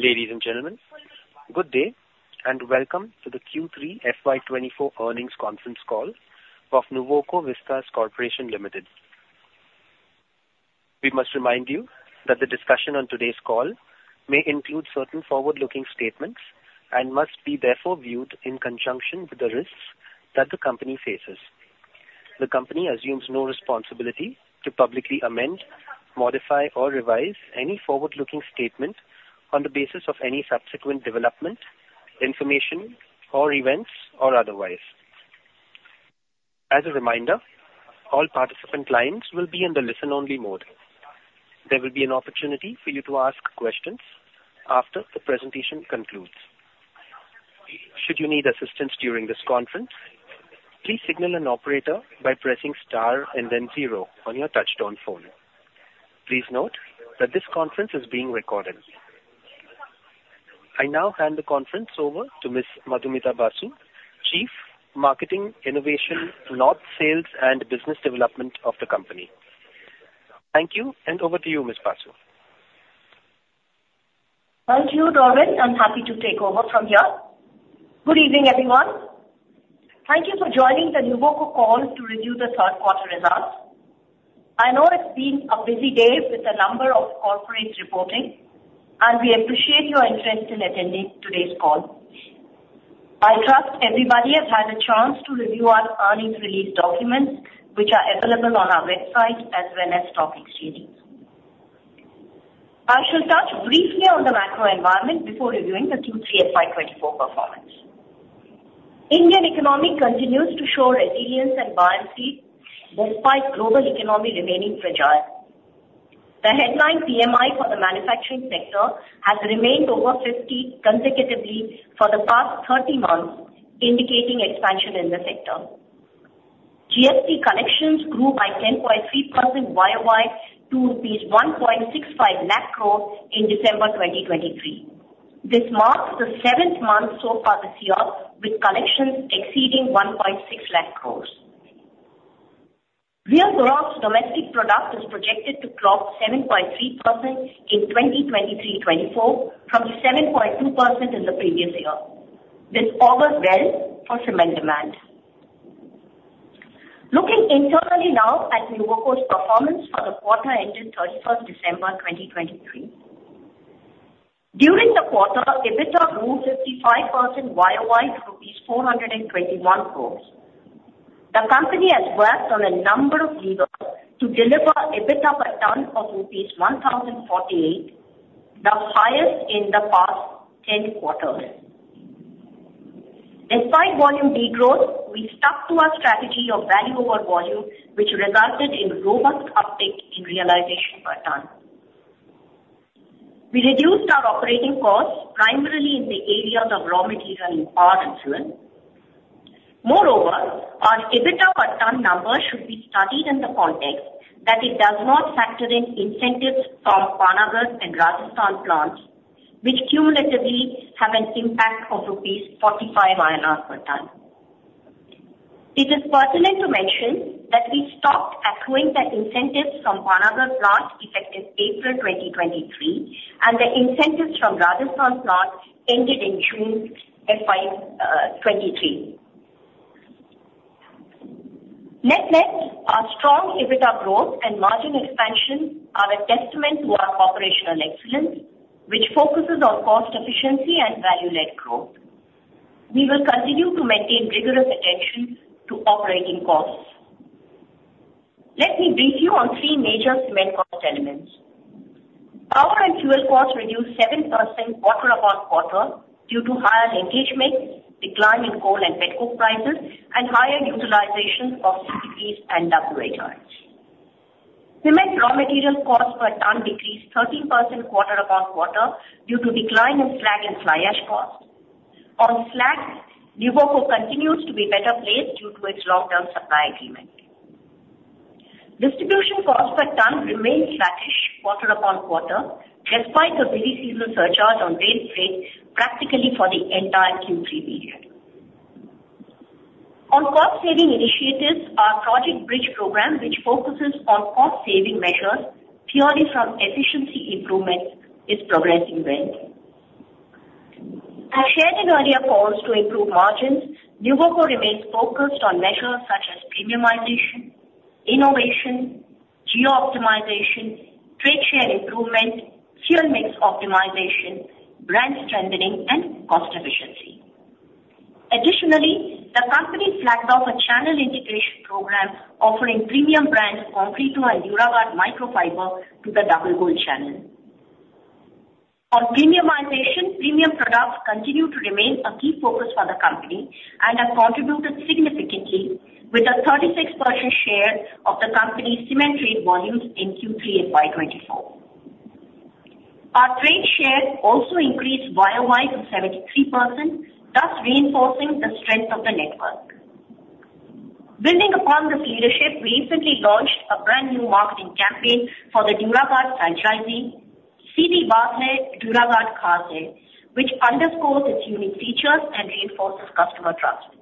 Ladies and gentlemen, good day and welcome to the Q3 FY 2024 earnings conference call of Nuvoco Vistas Corporation Limited. We must remind you that the discussion on today's call may include certain forward-looking statements and must be therefore viewed in conjunction with the risks that the company faces. The company assumes no responsibility to publicly amend, modify, or revise any forward-looking statement on the basis of any subsequent development, information, or events, or otherwise. As a reminder, all participant lines will be in the listen-only mode. There will be an opportunity for you to ask questions after the presentation concludes. Should you need assistance during this conference, please signal an operator by pressing star and then zero on your touchtone phone. Please note that this conference is being recorded. I now hand the conference over to Ms. Madhumita Basu, Chief Marketing, Innovation, North Sales, and Business Development of the company. Thank you, over to you, Ms. Basu. Thank you, Robin. I am happy to take over from here. Good evening, everyone. Thank you for joining the Nuvoco call to review the third quarter results. I know it has been a busy day with a number of corporates reporting, and we appreciate your interest in attending today's call. I trust everybody has had a chance to review our earnings release documents, which are available on our website as well as stock exchanges. I shall touch briefly on the macro environment before reviewing the Q3 FY 2024 performance. Indian economy continues to show resilience and buoyancy despite global economy remaining fragile. The headline PMI for the manufacturing sector has remained over 50 consecutively for the past 13 months, indicating expansion in the sector. GST collections grew by 10.3% YOY to rupees 1.65 lakh crores in December 2023. This marks the seventh month so far this year with collections exceeding 1.6 lakh crores. Real gross domestic product is projected to drop 7.3% in 2023-2024 from 7.2% in the previous year. This augurs well for cement demand. Looking internally now at Nuvoco's performance for the quarter ending 31st December 2023. During the quarter, EBITDA grew 55% YOY to 421 crores. The company has worked on a number of levers to deliver EBITDA per ton of rupees 1,048, the highest in the past 10 quarters. Despite volume degrowth, we stuck to our strategy of value over volume, which resulted in robust uptick in realization per ton. We reduced our operating costs primarily in the areas of raw material and power and fuel. Moreover, our EBITDA per ton number should be studied in the context that it does not factor in incentives from Panagarh and Rajasthan plants, which cumulatively have an impact of rupees 45 per ton. It is pertinent to mention that we stopped accruing the incentives from Panagarh plant effective April 2023, and the incentives from Rajasthan plant ended in June FY 2023. Net-net, our strong EBITDA growth and margin expansion are a testament to our operational excellence, which focuses on cost efficiency and value-led growth. We will continue to maintain rigorous attention to operating costs. Let me brief you on three major cement cost elements. Power and fuel costs reduced 7% quarter-over-quarter due to higher linkage mix, decline in coal and petcoke prices, and higher utilization of CPPs and double rate charge. Cement raw material cost per ton decreased 13% quarter-over-quarter due to decline in slag and fly ash costs. On slag, Nuvoco continues to be better placed due to its long-term supply agreement. Distribution cost per ton remained flattish quarter-over-quarter despite the busy season surcharge on base freight practically for the entire Q3 period. On cost-saving initiatives, our Project Bridge program, which focuses on cost-saving measures purely from efficiency improvements, is progressing well. As shared in earlier calls to improve margins, Nuvoco remains focused on measures such as premiumization, innovation, geo-optimization, trade share improvement, fuel mix optimization, brand strengthening, and cost efficiency. Additionally, the company flagged off a channel integration program offering premium brands Concreto and Duraguard Microfiber to the Double Bull channel. On premiumization, premium products continue to remain a key focus for the company and have contributed significantly with a 36% share of the company's cement trade volumes in Q3 FY 2024. Our trade share also increased year-over-year to 73%, thus reinforcing the strength of the network. Building upon this leadership, we recently launched a brand-new marketing campaign for the Duraguard franchise, "City Badle Duraguard Khade," which underscores its unique features and reinforces customer trust.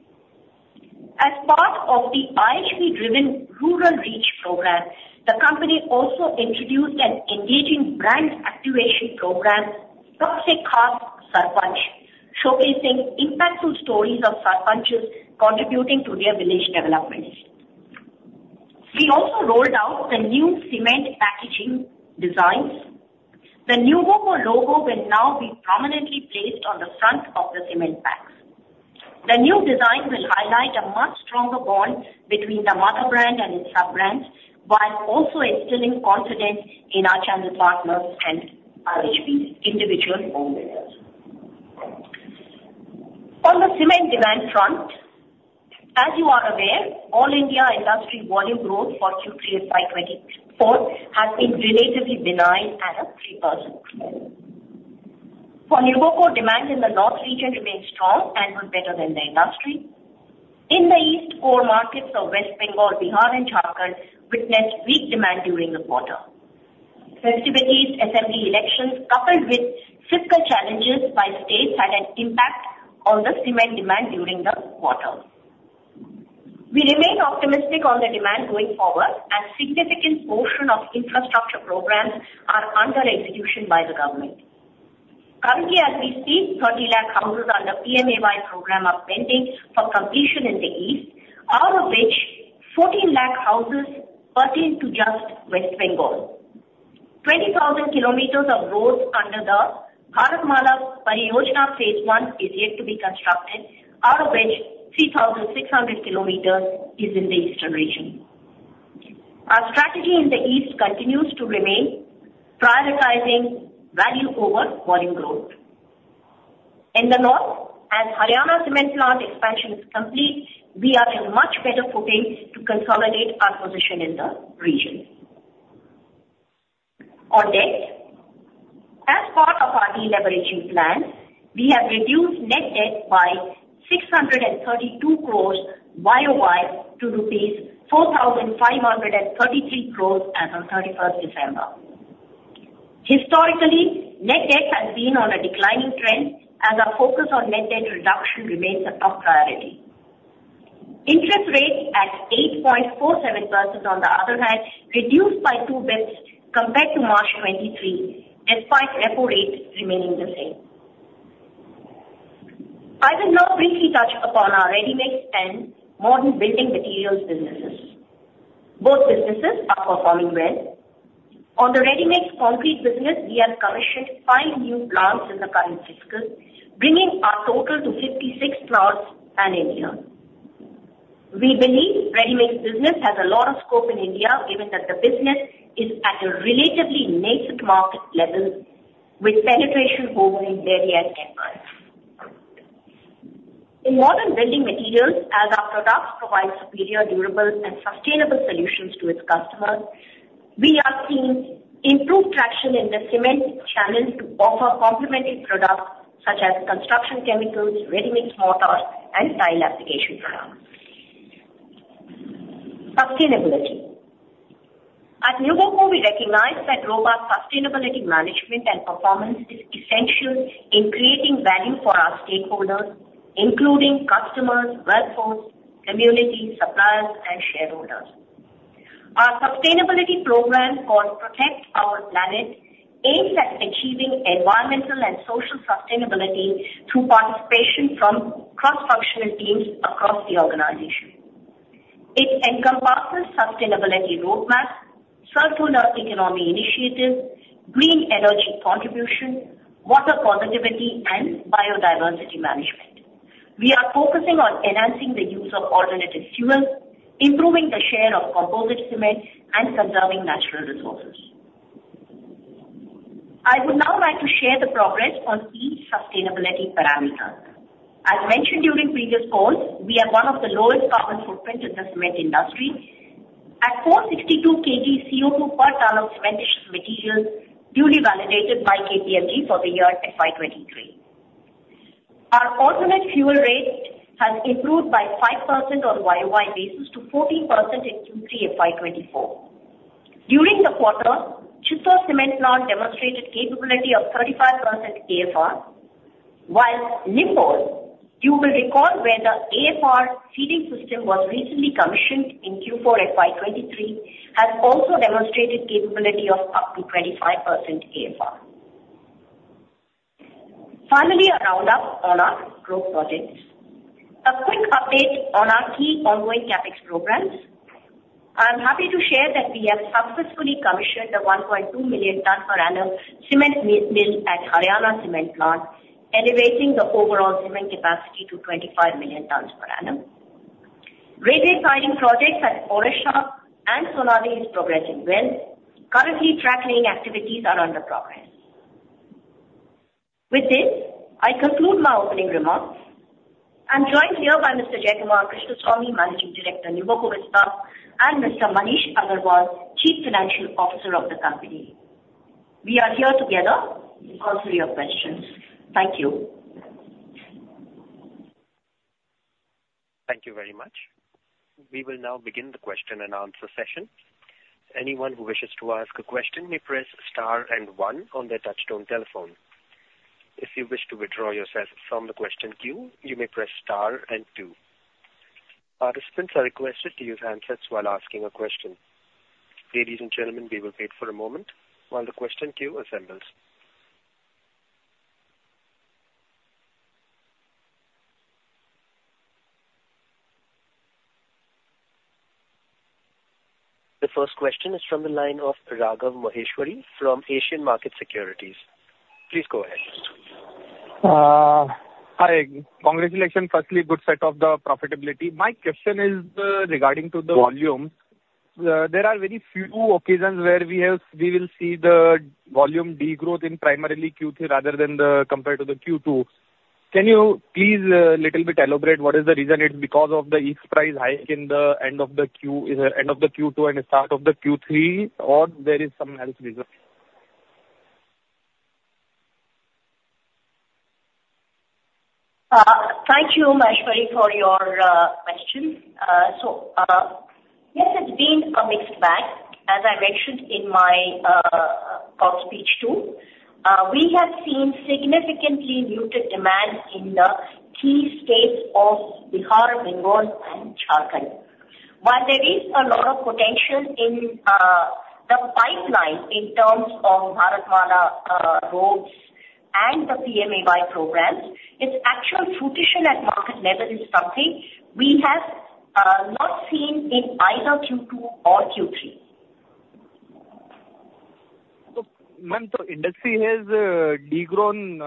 As part of the IHB-driven rural reach program, the company also introduced an engaging brand activation program, showcasing impactful stories of sarpanches contributing to their village developments. We also rolled out the new cement packaging designs. The Nuvoco logo will now be prominently placed on the front of the cement packs. The new design will highlight a much stronger bond between the mother brand and its sub-brands, while also instilling confidence in our channel partners and IHB's individual owners. On the cement demand front, as you are aware, all-India industry volume growth for Q3 FY 2024 has been relatively benign at a 3% growth. For Nuvoco, demand in the north region remains strong and was better than the industry. In the east, core markets of West Bengal, Bihar, and Jharkhand witnessed weak demand during the quarter. Festivities, assembly elections, coupled with fiscal challenges by states had an impact on the cement demand during the quarter. We remain optimistic on the demand going forward as significant portion of infrastructure programs are under execution by the government. Currently, as we speak, 30 lakh houses under PMAY program are pending for completion in the east, out of which 14 lakh houses pertain to just West Bengal. 20,000 kilometers of roads under the Bharatmala Pariyojana Phase One is yet to be constructed, out of which 3,600 kilometers is in the eastern region. Our strategy in the east continues to remain prioritizing value over volume growth. In the north, as Haryana Cement Plant expansion is complete, we are in much better footing to consolidate our position in the region. On debt, as part of our de-leveraging plan, we have reduced net debt by 632 crore YOY to rupees 4,533 crore as on December 31. Historically, net debt has been on a declining trend as our focus on net debt reduction remains a top priority. Interest rate at 8.47% on the other hand, reduced by two bits compared to March 2023, despite repo rates remaining the same. I will now briefly touch upon our readymix and modern building materials businesses. Both businesses are performing well. On the ready-mix concrete business we have commissioned five new plants in the current fiscal, bringing our total to 56 plants pan-India. We believe readymix business has a lot of scope in India, given that the business is at a relatively nascent market level with penetration hovering barely at 10%. In modern building materials, as our products provide superior, durable and sustainable solutions to its customers, we are seeing improved traction in the cement channels to offer complementary products such as construction chemicals, readymix mortars, and tile application products. Sustainability. At Nuvoco, we recognize that robust sustainability management and performance is essential in creating value for our stakeholders, including customers, workforce, communities, suppliers and shareholders. Our sustainability program called Protect Our Planet aims at achieving environmental and social sustainability through participation from cross-functional teams across the organization. It encompasses sustainability roadmap, circular economy initiatives, green energy contribution, water positivity, and biodiversity management. We are focusing on enhancing the use of Alternative Fuels, improving the share of composite cement and conserving natural resources. I would now like to share the progress on each sustainability parameter. As mentioned during previous calls, we have one of the lowest carbon footprint in the cement industry at 462 kg CO2 per ton of cementitious materials, duly validated by KPMG for the year FY 2023. Our Alternative Fuel Rate has improved by 5% on YOY basis to 14% in Q3 FY 2024. During the quarter, Chittor Cement Plant demonstrated capability of 35% AFR, while Nimbol, you will recall when the AFR feeding system was recently commissioned in Q4 FY 2023 has also demonstrated capability of up to 25% AFR. Finally, a roundup on our growth projects. A quick update on our key ongoing CapEx programs. I am happy to share that we have successfully commissioned the 1.2 million ton per annum cement mill at Haryana Cement Plant, elevating the overall cement capacity to 25 million tons per annum. Rail-based mining projects at Odisha and Sonadih is progressing well. Currently, track laying activities are under progress. With this, I conclude my opening remarks. I am joined here by Mr. Jayakumar Krishnaswamy, Managing Director, Nuvoco Vistas, and Mr. Maneesh Agrawal, Chief Financial Officer of the company. We are here together to answer your questions. Thank you. Thank you very much. We will now begin the question and answer session. Anyone who wishes to ask a question may press star one on their touchtone telephone. If you wish to withdraw yourself from the question queue, you may press star two. Participants are requested to use handsets while asking a question. Ladies and gentlemen, we will wait for a moment while the question queue assembles. The first question is from the line of Raghav Maheshwari from Asian Market Securities. Please go ahead. Hi. Congratulations, firstly. Good set of the profitability. My question is regarding to the volume. There are very few occasions where we will see the volume degrowth in primarily Q3 rather than compared to the Q2. Can you please, a little bit elaborate what is the reason? It's because of the East price hike in the end of the Q2 and the start of the Q3, or there is some other reason? Thank you, Maheshwari, for your question. Yes, it's been a mixed bag, as I mentioned in my call speech too. We have seen significantly muted demand in the key states of Bihar, Bengal, and Jharkhand. While there is a lot of potential in the pipeline in terms of Bharatmala roads and the PMAY programs, its actual fruition at market level is something we have not seen in either Q2 or Q3. Ma'am, industry has de-grown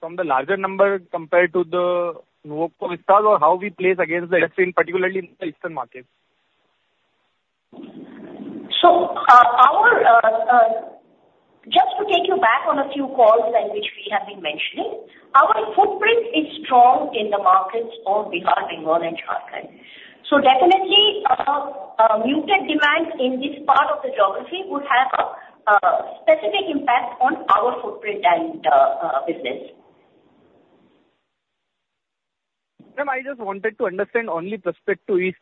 from the larger number compared to the Nuvoco [volume drop]install or how we place against the industry, in particularly in the Eastern markets. Just to take you back on a few calls in which we have been mentioning, our footprint is strong in the markets of Bihar, Bengal and Jharkhand. Definitely, muted demand in this part of the geography would have a specific impact on our footprint and business. Ma'am, I just wanted to understand only prospect to east.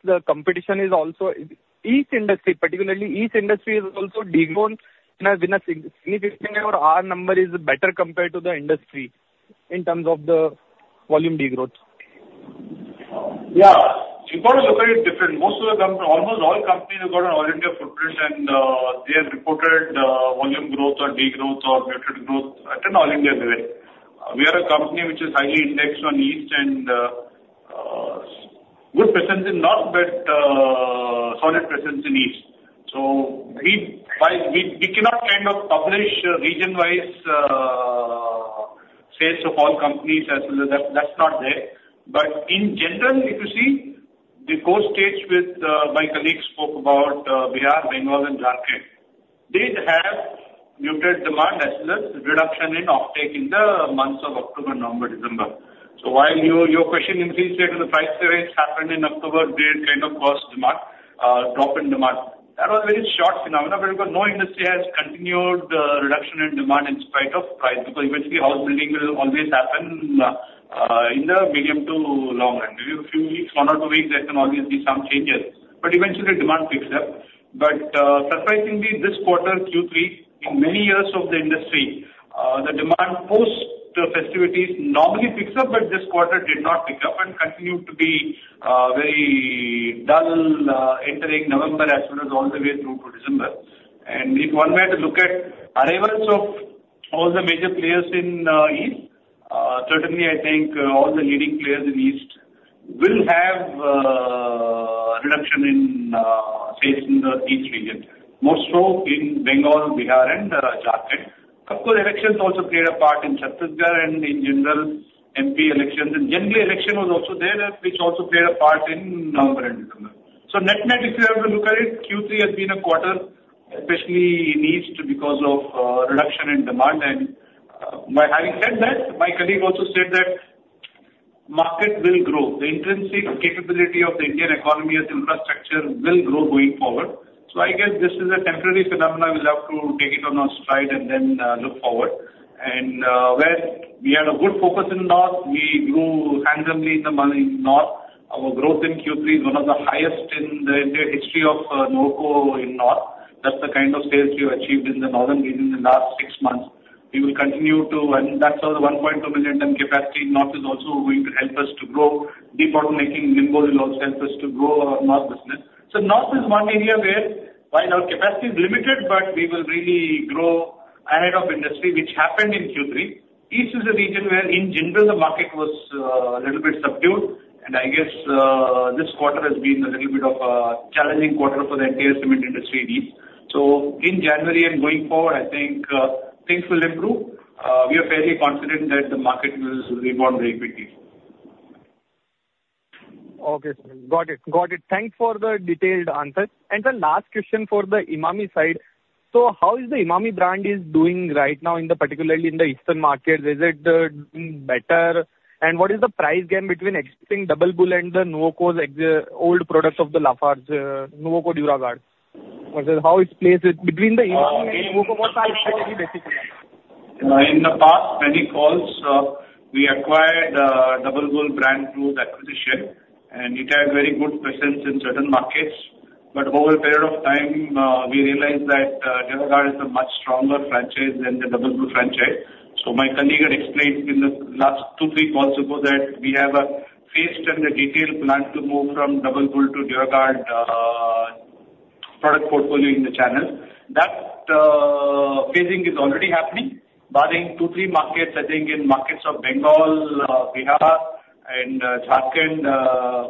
East industry, particularly east industry has also de-grown significantly or our number is better compared to the industry in terms of the volume degrowth? If you want to look at it different, almost all companies have got an all-India footprint, and they have reported volume growth or degrowth or muted growth at an all-India level. We are a company which is highly indexed on east and good presence in north, but solid presence in east. We cannot publish region-wise sales of all companies as that's not there. In general, if you see the core states which my colleague spoke about, Bihar, Bengal, and Jharkhand, did have muted demand as well as reduction in offtake in the months of October, November, December. While your question insinuates that the price variance happened in October, did cause drop in demand. That was a very short phenomenon because no industry has continued the reduction in demand in spite of price, because eventually house building will always happen in the medium to long run. Maybe a few weeks, one or two weeks, there can obviously some changes, but eventually demand picks up. Surprisingly, this quarter, Q3, in many years of the industry, the demand post-festivities normally picks up, but this quarter did not pick up and continued to be very dull entering November as well as all the way through to December. If one were to look at arrivals of all the major players in east, certainly I think all the leading players in east will have a reduction in sales in the east region, more so in Bengal, Bihar and Jharkhand. Of course, elections also played a part in Chhattisgarh and in general MP elections and general election was also there, which also played a part in November and December. Net-net, if you have to look at it, Q3 has been a quarter, especially in East because of reduction in demand. By having said that, my colleague also said that market will grow. The intrinsic capability of the Indian economy as infrastructure will grow going forward. I guess this is a temporary phenomenon. We'll have to take it on our stride and then look forward. Where we had a good focus in North, we grew handsomely in the North. Our growth in Q3 is one of the highest in the entire history of Nuvoco in North. That's the kind of sales we have achieved in the northern region in the last six months. We will continue to and that's our 1.2 million ton capacity. North is also going to help us to grow deep automaking. Nimbol will also help us to grow our North business. North is one area where while our capacity is limited, but we will really grow ahead of industry, which happened in Q3. East is a region where in general the market was a little bit subdued. I guess this quarter has been a little bit of a challenging quarter for the entire cement industry East. In January and going forward, I think things will improve. We are fairly confident that the market will rebound very quickly. Okay, sir. Got it. Thanks for the detailed answers. The last question for the Emami side. How is the Emami brand doing right now, particularly in the Eastern market? Is it doing better? What is the price gap between Double Bull and the Nuvoco's old products of the Lafarge Nuvoco Duraguard? How it's placed between the Emami and Nuvoco portfolio basically. In the past many calls, we acquired the Double Bull brand through the acquisition, and it had very good presence in certain markets. But over a period of time, we realized that Duraguard is a much stronger franchise than the Double Bull franchise. My colleague had explained in the last two, three calls ago that we have a phased and a detailed plan to move from Double Bull to Duraguard product portfolio in the channels. That phasing is already happening barring two, three markets. I think in markets of Bengal, Bihar, and Jharkhand,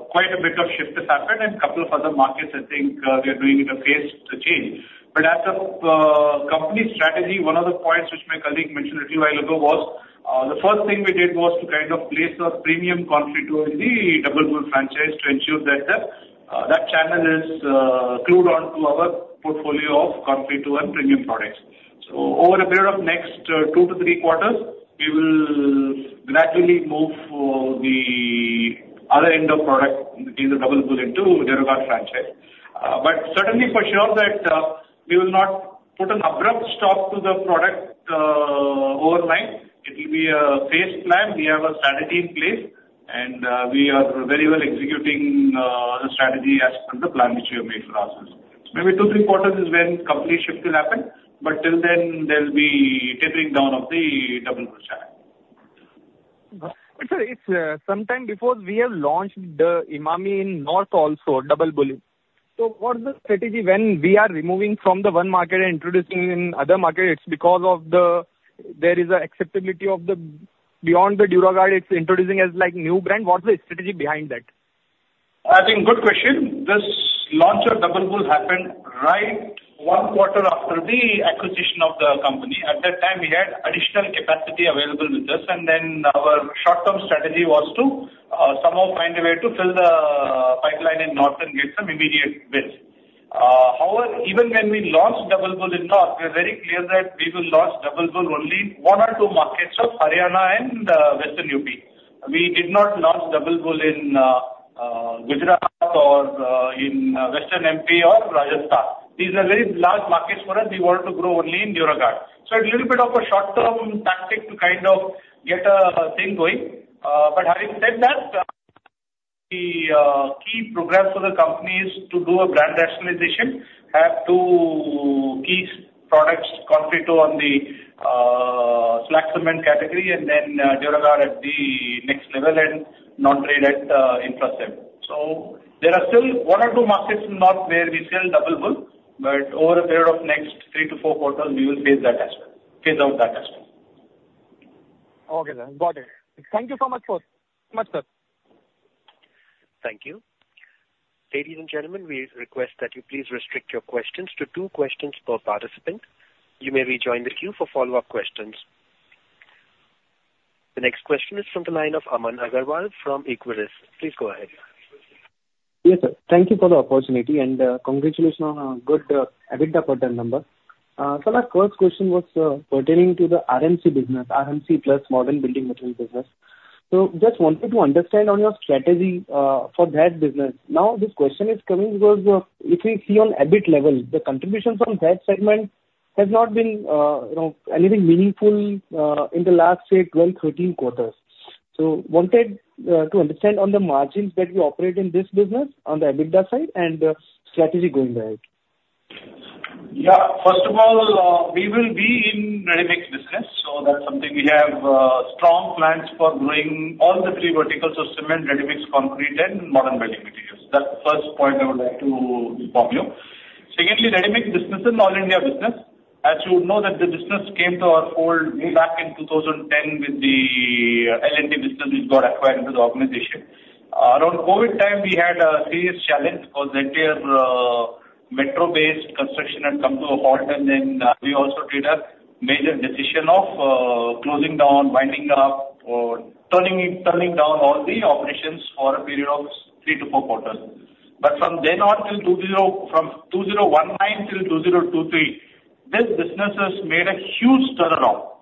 quite a bit of shift has happened and couple of other markets, I think they're doing it a phased change. As the company strategy, one of the points which my colleague mentioned a little while ago was, the first thing we did was to place a premium Concreto in the Double Bull franchise to ensure that channel is clued on to our portfolio of Concreto and premium products. Over a period of next two to three quarters, we will gradually move the other end of product, which is the Double Bull into Duraguard franchise. Certainly for sure that we will not put an abrupt stop to the product overnight. It will be a phased plan. We have a strategy in place and we are very well executing the strategy as per the plan which we have made for ourselves. Maybe two, three quarters is when complete shift will happen, but till then there'll be tapering down of the Double Bull channel. Sir, some time before we have launched the Emami in north also, Double Bull. What's the strategy when we are removing from the one market and introducing in other market? It's because there is an acceptability of the beyond the Duraguard, it's introducing as new brand. What's the strategy behind that? I think good question. This launch of Double Bull happened right one quarter after the acquisition of the company. At that time, we had additional capacity available with us, our short-term strategy was to somehow find a way to fill the pipeline in north and get some immediate bids. However, even when we launched Double Bull in north, we were very clear that we will launch Double Bull only one or two markets of Haryana and Western U.P. We did not launch Double Bull in Gujarat or in Western M.P. or Rajasthan. These are very large markets for us. We wanted to grow only in Duraguard. It's a little bit of a short-term tactic to kind of get a thing going. Having said that, the key progress for the company is to do a brand rationalization, have two key products, Concreto on the slag cement category and Duraguard at the next level and non-trade at Infracem. There are still one or two markets in north where we sell Double Bull, over a period of next three to four quarters, we will phase out that as well. Okay, sir. Got it. Thank you so much, sir. Thank you. Ladies and gentlemen, we request that you please restrict your questions to two questions per participant. You may rejoin the queue for follow-up questions. The next question is from the line of Aman Agarwal from Equirus. Please go ahead. Yes, sir. Thank you for the opportunity and congratulations on a good EBITDA quarter number. Sir, our first question was pertaining to the RMC business, RMC plus Modern Building Material business. Just wanted to understand on your strategy for that business. This question is coming because if we see on EBIT level, the contribution from that segment has not been anything meaningful in the last, say, 12, 13 quarters. Wanted to understand on the margins that you operate in this business on the EBITDA side and strategy going ahead. First of all, we will be in ready-mix business. That's something we have strong plans for growing all the three verticals of cement, ready-mix concrete, and modern building materials. That's the first point I would like to inform you. Secondly, ready-mix business is an all-India business. You know that the business came to our fold way back in 2010 with the L&T business which got acquired into the organization. Around COVID time, we had a serious challenge because the entire metro-based construction had come to a halt and then we also did a major decision of closing down, winding up or turning down all the operations for a period of three to four quarters. From then on, from 2019 till 2023, this business has made a huge turnaround.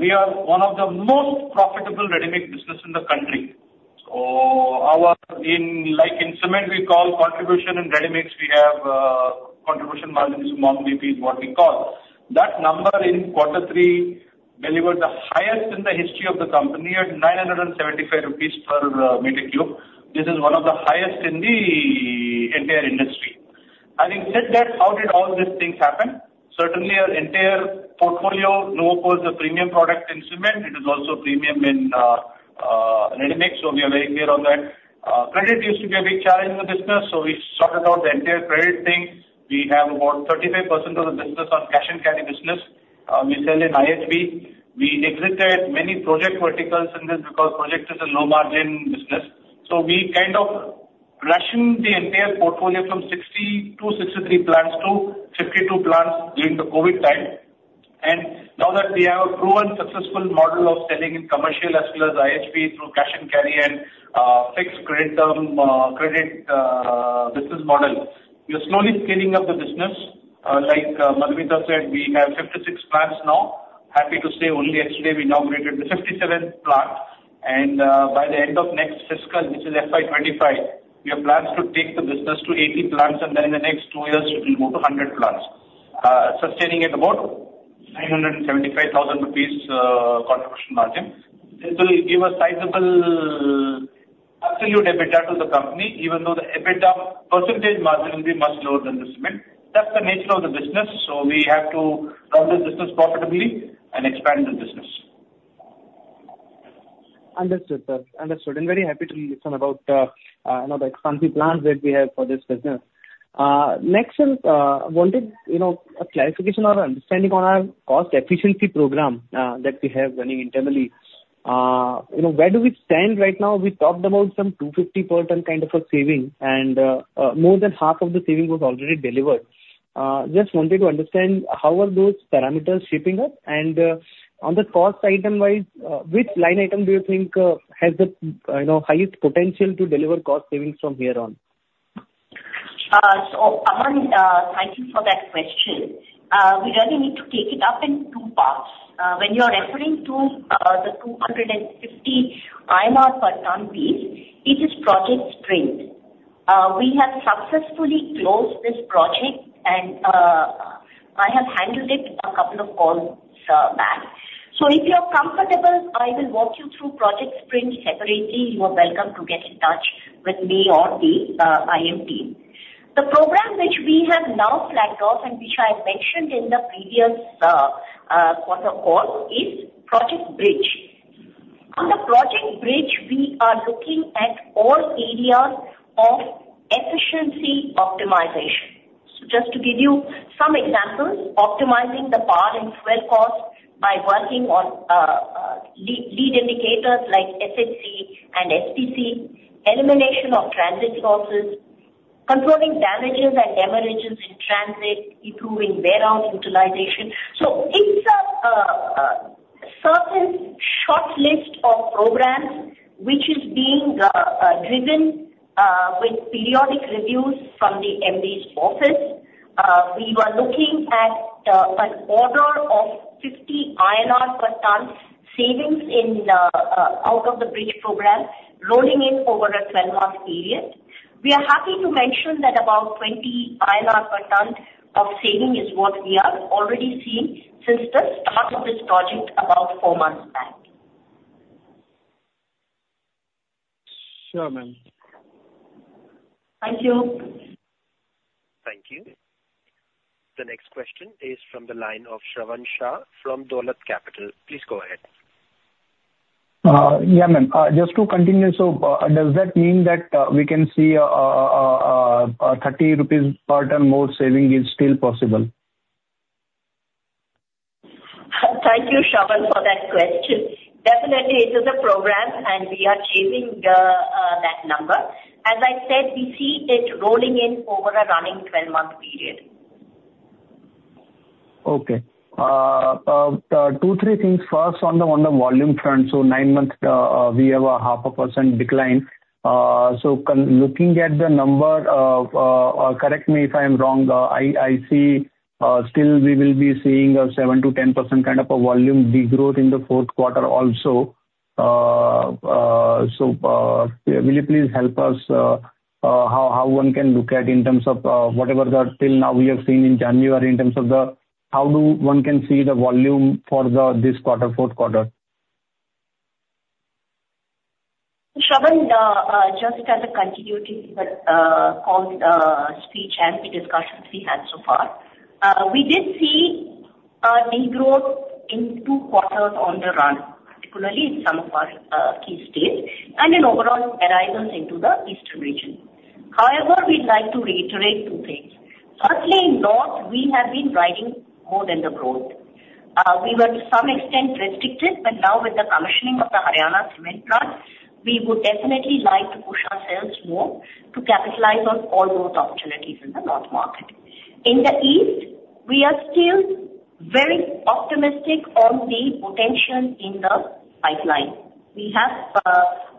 We are one of the most profitable ready-mix business in the country. Like in cement we call contribution, in readymix we have contribution margins or MOMDP is what we call. That number in quarter three delivered the highest in the history of the company at 975 rupees per cubic meter. This is one of the highest in the entire industry. Having said that, how did all these things happen? Certainly our entire portfolio, Nuvoco is a premium product in cement. It is also premium in readymix, so we are very clear on that. Credit used to be a big challenge in the business, so we sorted out the entire credit thing. We have about 35% of the business on cash and carry business. We sell in IHB. We exited many project verticals in this because project is a low margin business. We kind of rationed the entire portfolio from 60 to 63 plants to 52 plants during the COVID time. Now that we have a proven successful model of selling in commercial as well as IHB through cash and carry and fixed credit business model, we are slowly scaling up the business. Like Madhumita said, we have 56 plants now. Happy to say only yesterday we inaugurated the 57th plant and by the end of next fiscal, which is FY 2025, we have plans to take the business to 80 plants and then in the next two years it will go to 100 plants. Sustaining at about 975,000 rupees contribution margin. This will give a sizable absolute EBITDA to the company, even though the EBITDA percentage margin will be much lower than the cement. That's the nature of the business. We have to run this business profitably and expand the business. Understood, sir. Understood. Very happy to listen about the expansion plans that we have for this business. Next is, wanted a clarification or understanding on our cost efficiency program that we have running internally. Where do we stand right now? We talked about some 250 per ton kind of a saving, and more than half of the saving was already delivered. Just wanted to understand how are those parameters shaping up and on the cost item-wise, which line item do you think has the highest potential to deliver cost savings from here on? Aman, thank you for that question. We really need to take it up in two parts. When you are referring to the 250 per ton piece, it is Project Sprint. We have successfully closed this project, and I have handled it a couple of calls back. If you're comfortable, I will walk you through Project Sprint separately. You are welcome to get in touch with me or the IM team. The program which we have now flagged off and which I mentioned in the previous quarter call is Project Bridge. On the Project Bridge, we are looking at all areas of efficiency optimization. Just to give you some examples, optimizing the power and fuel cost by working on lead indicators like SFC and SPC, elimination of transit losses, controlling damages and damages in transit, improving warehouse utilization. It's a certain short list of programs which is being driven with periodic reviews from the MD's office. We were looking at an order of 50 INR per ton savings out of the Project Bridge program, rolling in over a 12-month period. We are happy to mention that about 20 INR per ton of saving is what we are already seeing since the start of this project about four months back. Sure, ma'am. Thank you. Thank you. The next question is from the line of Shravan Shah from Dolat Capital. Please go ahead. Yeah, ma'am. Just to continue, does that mean that we can see 30 rupees per ton more saving is still possible? Thank you, Shravan, for that question. Definitely, it is a program and we are chasing that number. As I said, we see it rolling in over a running 12-month period. Okay. Two, three things. First, on the volume front, nine months we have a half a percent decline. Looking at the number, correct me if I'm wrong, I see still we will be seeing a 7%-10% kind of a volume degrowth in the fourth quarter also. Will you please help us how one can look at in terms of whatever that till now we have seen in January in terms of the how one can see the volume for this quarter, fourth quarter? Shravan, just as a continuity with the call speech and the discussions we had so far. We did see a degrowth in two quarters on the run, particularly in some of our key states and in overall arrivals into the eastern region. However, we'd like to reiterate two things. Firstly, North, we have been riding more than the growth. We were to some extent restricted, but now with the commissioning of the Haryana cement plant, we would definitely like to push ourselves more to capitalize on all those opportunities in the North market. In the East, we are still very optimistic on the potential in the pipeline. We have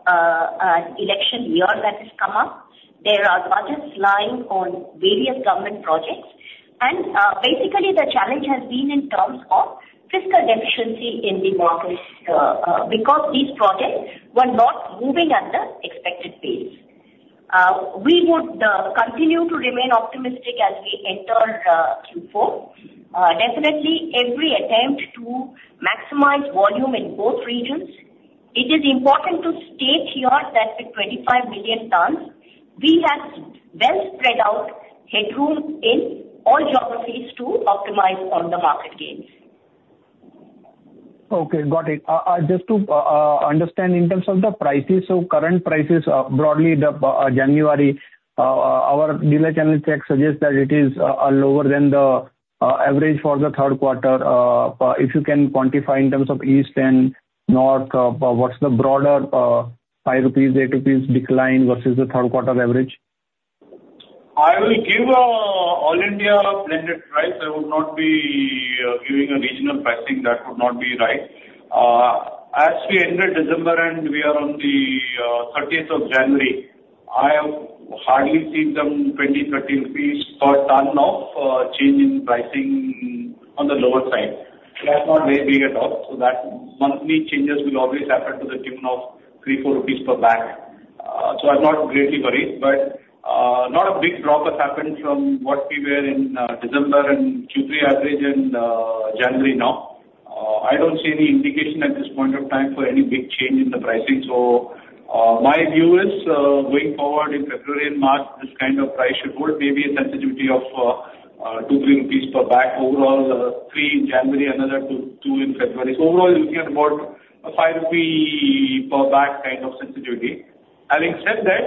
an election year that has come up. There are budgets lying on various government projects and basically the challenge has been in terms of fiscal deficiency in the markets because these projects were not moving at the expected pace. We would continue to remain optimistic as we enter Q4. Definitely every attempt to maximize volume in both regions. It is important to state here that with 25 million tons, we have well spread out headroom in all geographies to optimize on the market gains. Okay, got it. Just to understand in terms of the prices, current prices are broadly January. Our dealer channel check suggests that it is lower than the average for the third quarter. If you can quantify in terms of East and North, what's the broader 5 rupees, 8 rupees decline versus the third quarter average? I will give all India blended price. I would not be giving a regional pricing. That would not be right. As we ended December and we are on the 30th of January, I have hardly seen some 20 rupees, INR 30 per ton of change in pricing on the lower side. That's not very big at all. That monthly changes will always happen to the tune of 3 rupees, 4 rupees per bag. I'm not greatly worried, but not a big drop has happened from what we were in December and Q3 average and January now. I don't see any indication at this point of time for any big change in the pricing. My view is, going forward in February and March, this kind of price should hold maybe a sensitivity of 2 rupees per bag overall, 3 in January, another 2 in February. Overall, you're looking at about a 5 rupee per bag kind of sensitivity. Having said that,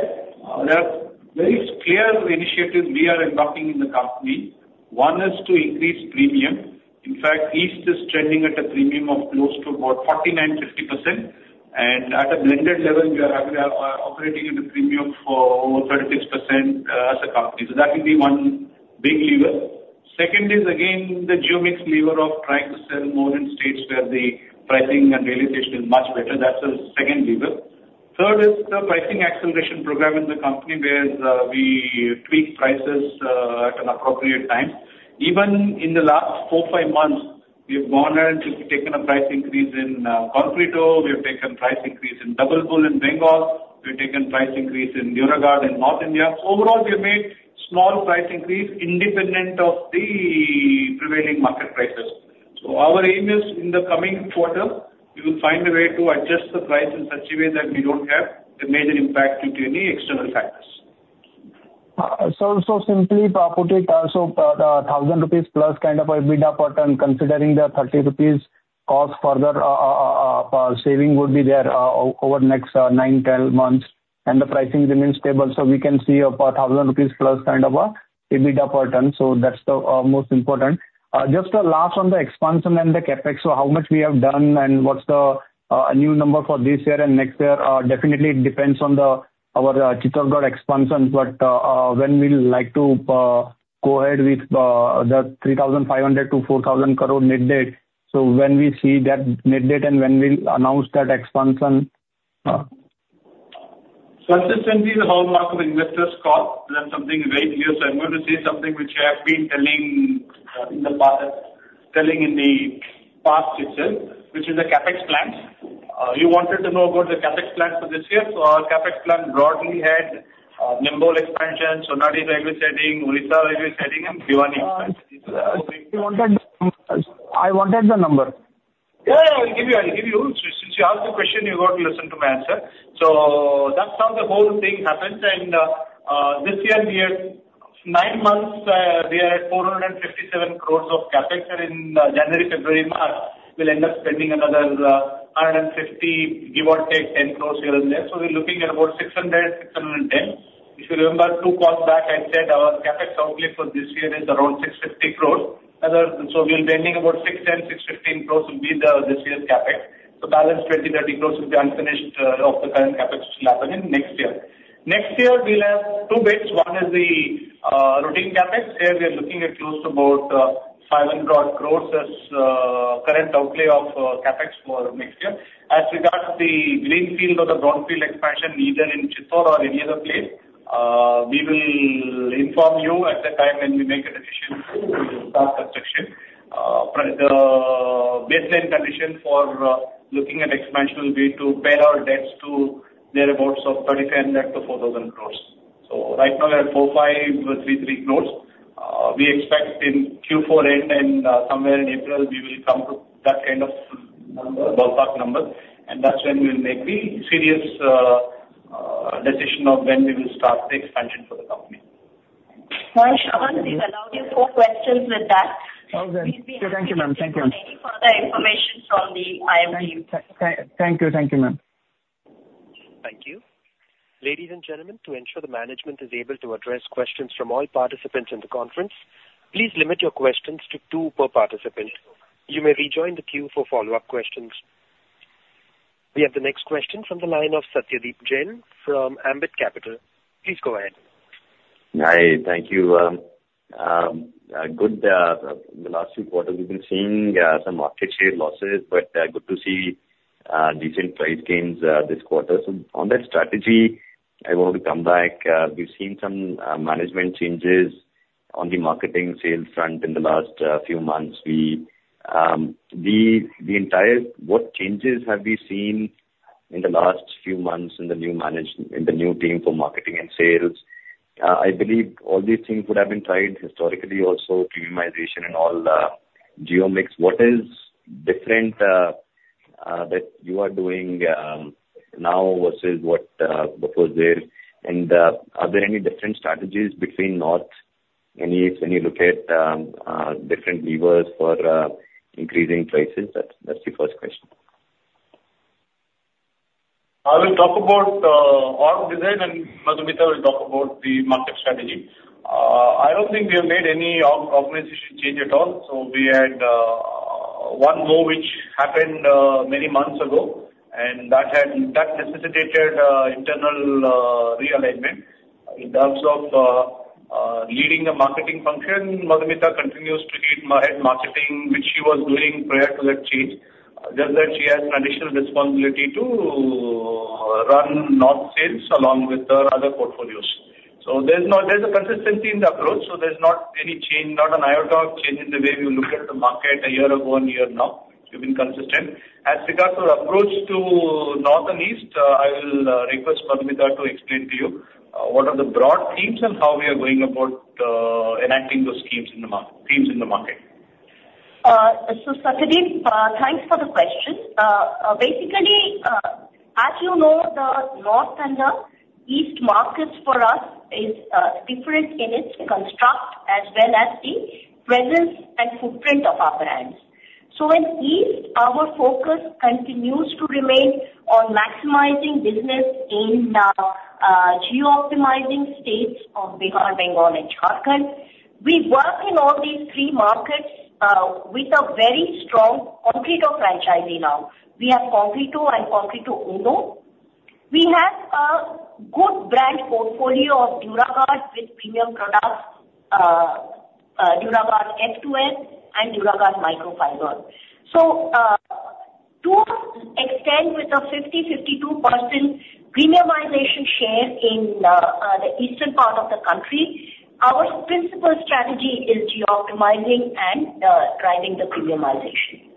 there are very clear initiatives we are adopting in the company. One is to increase premium. In fact, east is trending at a premium of close to about 49%, 50%, and at a blended level, we are operating at a premium for over 36% as a company. That will be one big lever. Second is again, the geo mix lever of trying to sell more in states where the pricing and realization is much better. That's the second lever. Third is the pricing acceleration program in the company where we tweak prices at an appropriate time. Even in the last four, five months, we have gone and taken a price increase in Concreto. We have taken price increase in Double Bull in Bengal. We've taken price increase in Duraguard in North India. overall, we have made small price increase independent of the prevailing market prices. Our aim is in the coming quarter, we will find a way to adjust the price in such a way that we don't have a major impact due to any external factors. simply put it, 1,000 rupees plus kind of EBITDA per ton considering the 30 rupees cost further saving will be there over the next nine, 10 months, and the pricing remains stable. We can see a 1,000 rupees plus kind of EBITDA per ton. That's the most important. Just last on the expansion and the CapEx. How much we have done and what's the new number for this year and next year? Definitely it depends on our Chittorgarh expansion, but when we'll like to go ahead with the 3,500 crore to 4,000 crore net debt. When we see that net debt and when we'll announce that expansion? Consistently the hallmark of investors call is that something right here. I'm going to say something which I have been telling in the past itself, which is the CapEx plans. You wanted to know about the CapEx plans for this year. Our CapEx plan broadly had Nimbol expansion, Sonadih railway siding, Odisha railway siding, and Bhiwani expansion. I wanted the number. Yeah, I'll give you. Since you asked the question, you got to listen to my answer. That's how the whole thing happens. This year, 9 months, we are at 457 crores of CapEx. In January, February, March, we'll end up spending another 150, give or take 10 crores here and there. We're looking at about 600-610. If you remember 2 calls back, I said our CapEx outlay for this year is around 650 crores. We'll be ending about 610-615 crores will be this year's CapEx. Balance 20-30 crores will be unfinished of the current CapEx, which will happen in next year. Next year, we'll have 2 bits. One is the routine CapEx. Here we are looking at close to about 700 crores as current outlay of CapEx for next year. As regards to the greenfield or the brownfield expansion, either in Chittorgarh or any other place, we will inform you at the time when we make a decision to start construction. The baseline condition for looking at expansion will be to pare our debts to thereabouts of 3,500-4,000 crores. Right now we're at 4,533 crores. We expect in Q4 end and somewhere in April, we will come to that kind of ballpark number. That's when we'll make the serious decision of when we will start the expansion for the company. Shravan, we've allowed you 4 questions with that. Okay. Thank you, ma'am. We'll be happy to issue any further information from the IM team. Thank you. Thank you, ma'am. Thank you. Ladies and gentlemen, to ensure the management is able to address questions from all participants in the conference, please limit your questions to two per participant. You may rejoin the queue for follow-up questions. We have the next question from the line of Satyadeep Jain from Ambit Capital. Please go ahead. Hi, thank you. In the last few quarters, we've been seeing some market share losses, but good to see decent price gains this quarter. On that strategy, I want to come back. We've seen some management changes on the marketing sales front in the last few months. What changes have we seen in the last few months in the new team for marketing and sales? I believe all these things would have been tried historically also, premiumization and all geo mix. What is different that you are doing now versus what was there? Are there any different strategies between north and east when you look at different levers for increasing prices? That's the first question. I will talk about org design and Madhumita Basu will talk about the market strategy. I don't think we have made any organization change at all. We had one more which happened many months ago, and that necessitated internal realignment. In terms of leading the marketing function, Madhumita Basu continues to head marketing, which she was doing prior to that change, just that she has an additional responsibility to run north sales along with her other portfolios. There's a consistency in the approach. There's not any change, not an iota of change in the way we look at the market a year ago and a year now. We've been consistent. As regards to approach to North and East, I will request Madhumita Basu to explain to you what are the broad themes and how we are going about enacting those themes in the market. Satyadeep Jain, thanks for the question. Basically, as you know, the North and the East markets for us is different in its construct as well as the presence and footprint of our brands. In East, our focus continues to remain on maximizing business in geo-optimizing states of Bihar, Bengal and Jharkhand. We work in all these three markets with a very strong Concreto franchisee now. We have Concreto and Concreto Uno. We have a good brand portfolio of Duraguard with premium products Duraguard Xtra F2F and Duraguard Microfiber. To extend with a 50%-52% premiumization share in the eastern part of the country, our principal strategy is geo-optimizing and driving the premiumization.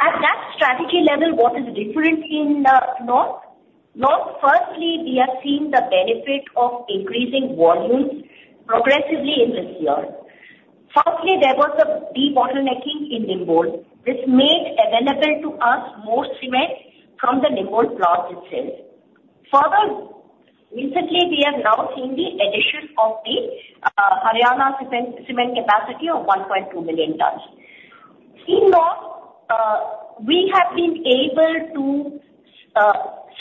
At that strategy level, what is different in North? North, firstly, we have seen the benefit of increasing volumes progressively in this year. Firstly, there was a debottlenecking in Neemuch. This made available to us more cement from the Neemuch plant itself. Further, recently, we have now seen the addition of the Haryana cement capacity of 1.2 million tons. In North, we have been able to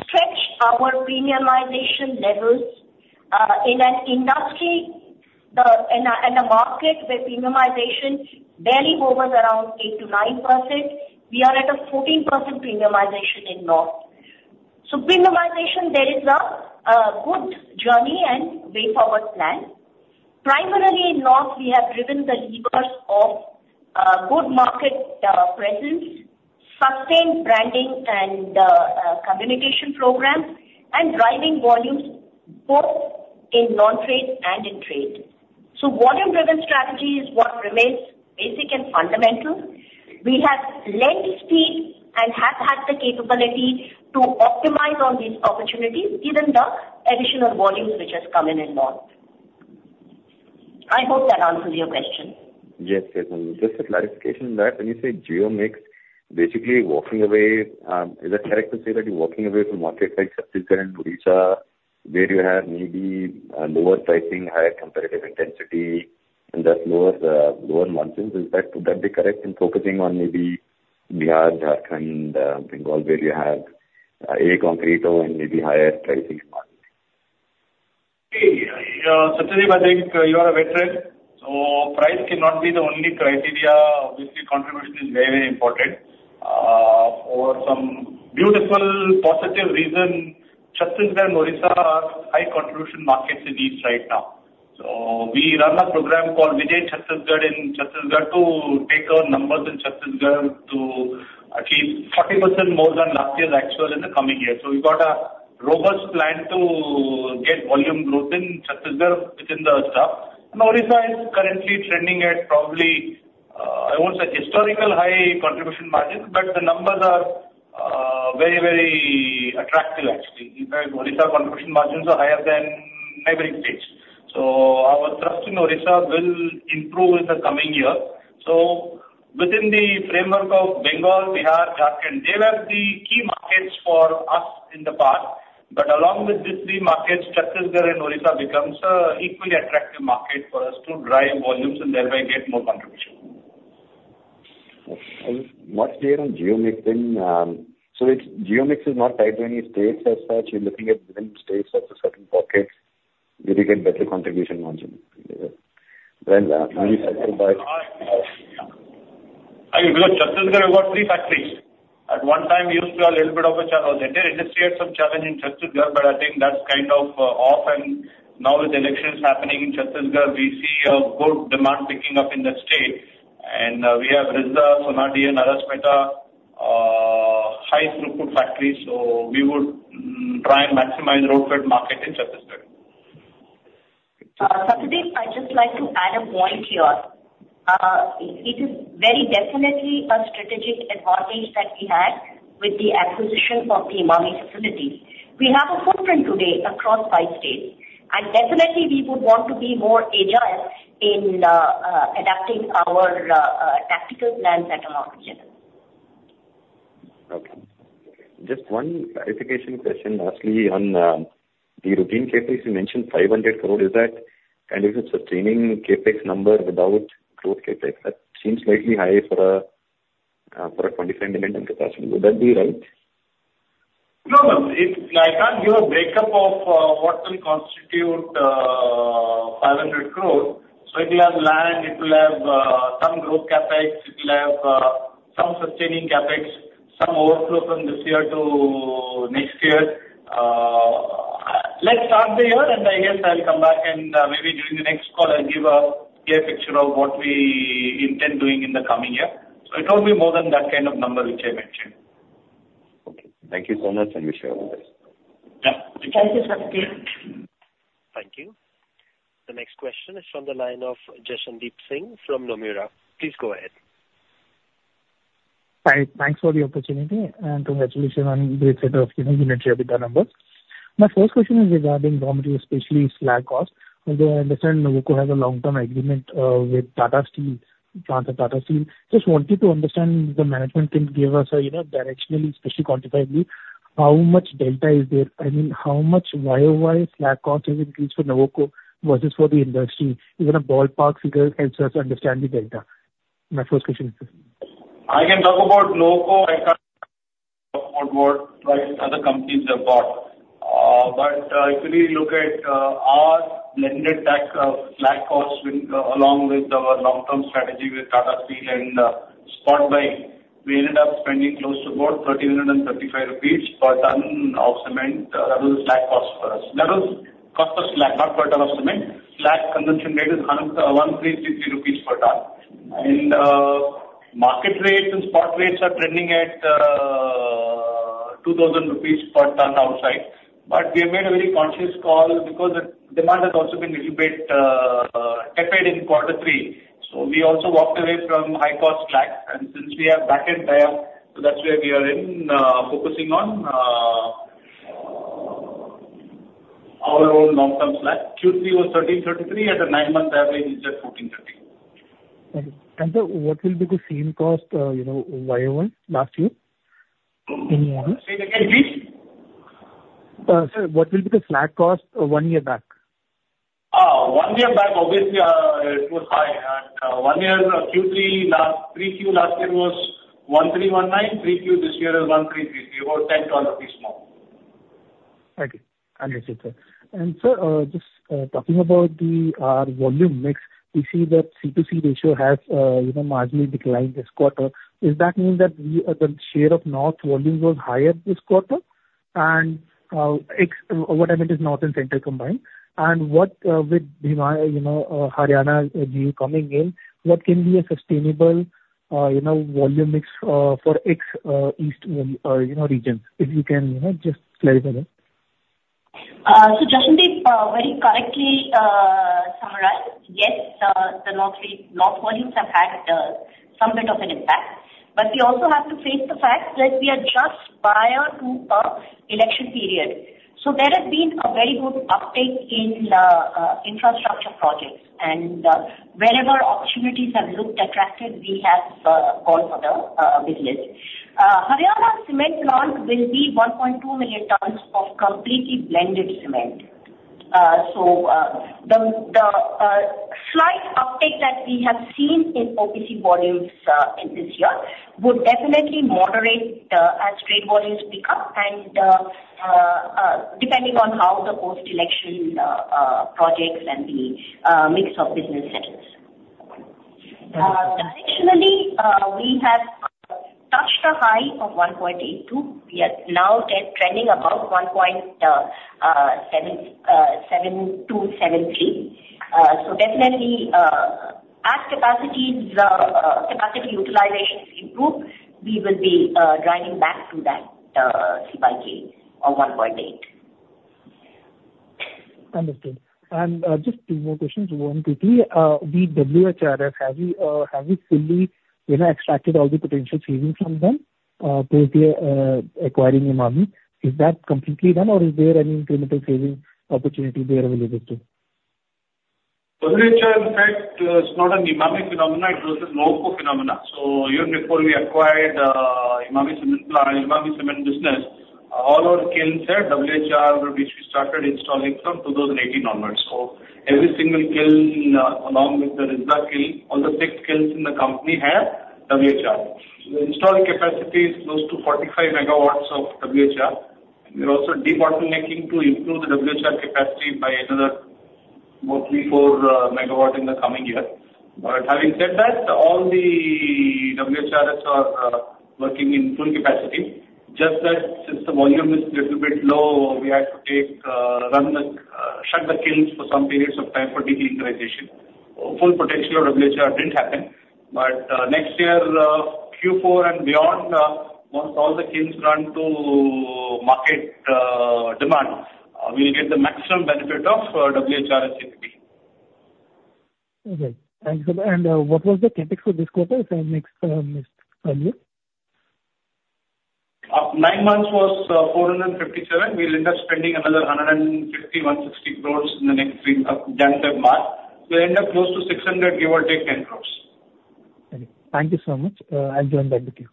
stretch our premiumization levels in a market where premiumization barely hovers around 8%-9%. We are at a 14% premiumization in North. Premiumization, there is a good journey and way forward plan. Primarily in North, we have driven the levers of good market presence, sustained branding and communication programs, and driving volumes both in non-trade and in trade. Volume-driven strategy is what remains basic and fundamental. We have length speed and have had the capability to optimize on these opportunities, given the additional volumes which has come in in North. I hope that answers your question. Yes. Just a clarification on that. When you say geo mix, basically walking away, is it correct to say that you're walking away from markets like Chhattisgarh and Odisha, where you have maybe a lower pricing, higher competitive intensity and thus lower margins? Would that be correct in focusing on maybe Bihar, Jharkhand, Bengal, where you have a Concreto and maybe higher pricing margin? Satyadeep, I think you are a veteran, price cannot be the only criteria. Obviously, contribution is very important. For some beautiful positive reason, Chhattisgarh and Odisha are high contribution markets in East right now. We run a program called Vijay Chhattisgarh in Chhattisgarh to take our numbers in Chhattisgarh to achieve 40% more than last year's actual in the coming year. We've got a robust plan to get volume growth in Chhattisgarh within the staff. Odisha is currently trending at probably, I won't say historical high contribution margins, but the numbers are very attractive actually. In fact, Odisha contribution margins are higher than neighboring states. Our thrust in Odisha will improve in the coming year. Within the framework of Bengal, Bihar, Jharkhand, they were the key markets for us in the past. Along with these three markets, Chhattisgarh and Odisha becomes a equally attractive market for us to drive volumes and thereby get more contribution. What's clear on geo mix then. Geo mix is not tied to any states as such. You're looking at different states as a certain pocket where you get better contribution margin. Is that right? In Chhattisgarh, we've got three factories. At one time, we used to have a little bit of a challenge. It just created some challenge in Chhattisgarh, I think that's kind of off and now with elections happening in Chhattisgarh, we see a good demand picking up in the state. We have Risda, Sonadih and Arasmeta high throughput factories. We would try and maximize road freight market in Chhattisgarh. Satyadeep, I'd just like to add a point here. It is very definitely a strategic advantage that we had with the acquisition of the Emami facilities. We have a footprint today across five states, and definitely we would want to be more agile in adapting our tactical plans at a market level. Okay. Just one clarification question lastly on the routine CapEx. You mentioned 500 crore. Is it sustaining CapEx number without growth CapEx? That seems slightly high for a 25 million ton capacity. Would that be right? No. I can't give a break-up of what will constitute 500 crore. It will have land, it will have some growth CapEx, it will have some sustaining CapEx, some overflow from this year to next year. Let's start the year and I guess I'll come back and maybe during the next call, I'll give a clear picture of what we intend doing in the coming year. It won't be more than that kind of number which I mentioned. Thank you so much, and wish you all the best. Yeah. Thank you, Satyadeep. Thank you. The next question is from the line of Jashandeep Singh from Nomura. Please go ahead. Hi. Thanks for the opportunity, congratulations on great set of unit EBITDA numbers. My first question is regarding raw material, especially slag cost. I understand Nuvoco has a long-term agreement with Tata Steel. Wanted to understand, the management can give us directionally, especially quantifiably, how much delta is there? How much YOY slag cost has increased for Nuvoco versus for the industry? Even a ballpark figure helps us understand the data. My first question. I can talk about Nuvoco. I cannot talk about what price other companies have got. If we look at our blended slag cost, along with our long-term strategy with Tata Steel and spot buying, we ended up spending close to about 1,335 rupees per ton of cement. That was the slag cost for us. That was cost per slag, not per ton of cement. Slag consumption rate is 1,333 rupees per ton. Market rates and spot rates are trending at 2,000 rupees per ton outside. We have made a very conscious call because demand has also been a little bit tepid in quarter three. We also walked away from high-cost slag, since we have backend tie-up, that is where we are then focusing on our own long-term slag. Q3 was 1,333 at a nine-month average is at 1,430. Okay. Sir, what will be the slag cost YOY last year? In months. Say it again, please. Sir, what will be the slag cost one year back? One year back, obviously, it was high. One year Q3, pre-Q last year was 1,319. Pre-Q this year is 1,333, about INR 10 more. Understood, sir. Sir, just talking about the volume mix, we see that C to C ratio has marginally declined this quarter. Does that mean that the share of north volumes was higher this quarter? What I meant is north and central combined. With Haryana steel coming in, what can be a sustainable volume mix for ex-east regions? If you can just clarify that. Jashandeep, very correctly summarized. The north volumes have had some bit of an impact, we also have to face the fact that we are just prior to an election period. There has been a very good uptake in the infrastructure projects, wherever opportunities have looked attractive, we have gone for the business. Haryana cement plant will be 1.2 million tons of completely blended cement. The slight uptake that we have seen in OPC volumes in this year would definitely moderate as trade volumes pick up depending on how the post-election projects and the mix of business settles. Directionally, we have touched a high of 1.82. We are now trending above 1.72, 1.73. Definitely, as capacity utilizations improve, we will be driving back to that CC ratio of 1.8. Understood. Just two more questions, one, two, three. The WHRS, have you fully extracted all the potential savings from them since you're acquiring Emami? Is that completely done or is there any incremental saving opportunity there available too? WHR, in fact, it's not an Emami phenomenon, it was a Nuvoco phenomenon. Even before we acquired Emami Cement business, all our kilns had WHR, which we started installing from 2018 onwards. Every single kiln, along with the Risda kiln, all the six kilns in the company have WHR. The installing capacity is close to 45 MW of WHR. We're also debottlenecking to improve the WHR capacity by another, roughly four MW in the coming year. Having said that, all the WHRS are working in full capacity. Just that since the volume is little bit low, we had to shut the kilns for some periods of time for de-lining. Full potential of WHR didn't happen, next year, Q4 and beyond, once all the kilns run to market demand, we'll get the maximum benefit of WHRS. Okay. Thanks. What was the CapEx for this quarter? If I missed earlier. Nine months was 457. We'll end up spending another 150 crores, 160 crores January, February, March. We'll end up close to 600, give or take 10 crores. Okay. Thank you so much. I'll join back with you.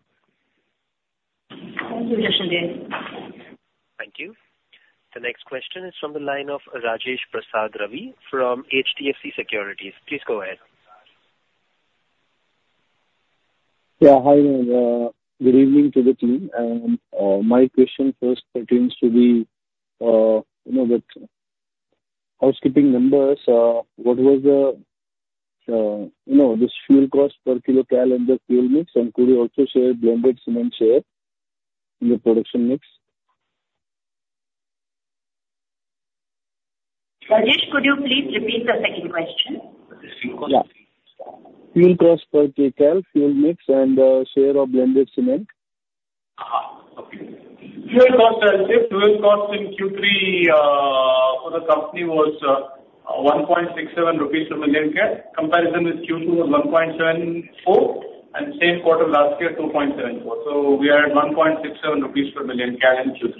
Thank you, Jashandeep. Thank you. The next question is from the line of Rajesh Kumar Ravi from HDFC Securities. Please go ahead. Yeah. Hi, good evening to the team. My question first pertains to the housekeeping numbers. What was this fuel cost per kcal in the fuel mix? Could you also share blended cement share in the production mix? Rajesh, could you please repeat the second question? Yeah. Fuel cost per kcal, fuel mix, and share of blended cement. Okay. Fuel cost, I will say fuel cost in Q3 for the company was 1.67 rupees per million kcal. Comparison with Q2 was 1.74, and the same quarter last year, 2.74. We are at 1.67 rupees per million kcal in Q3.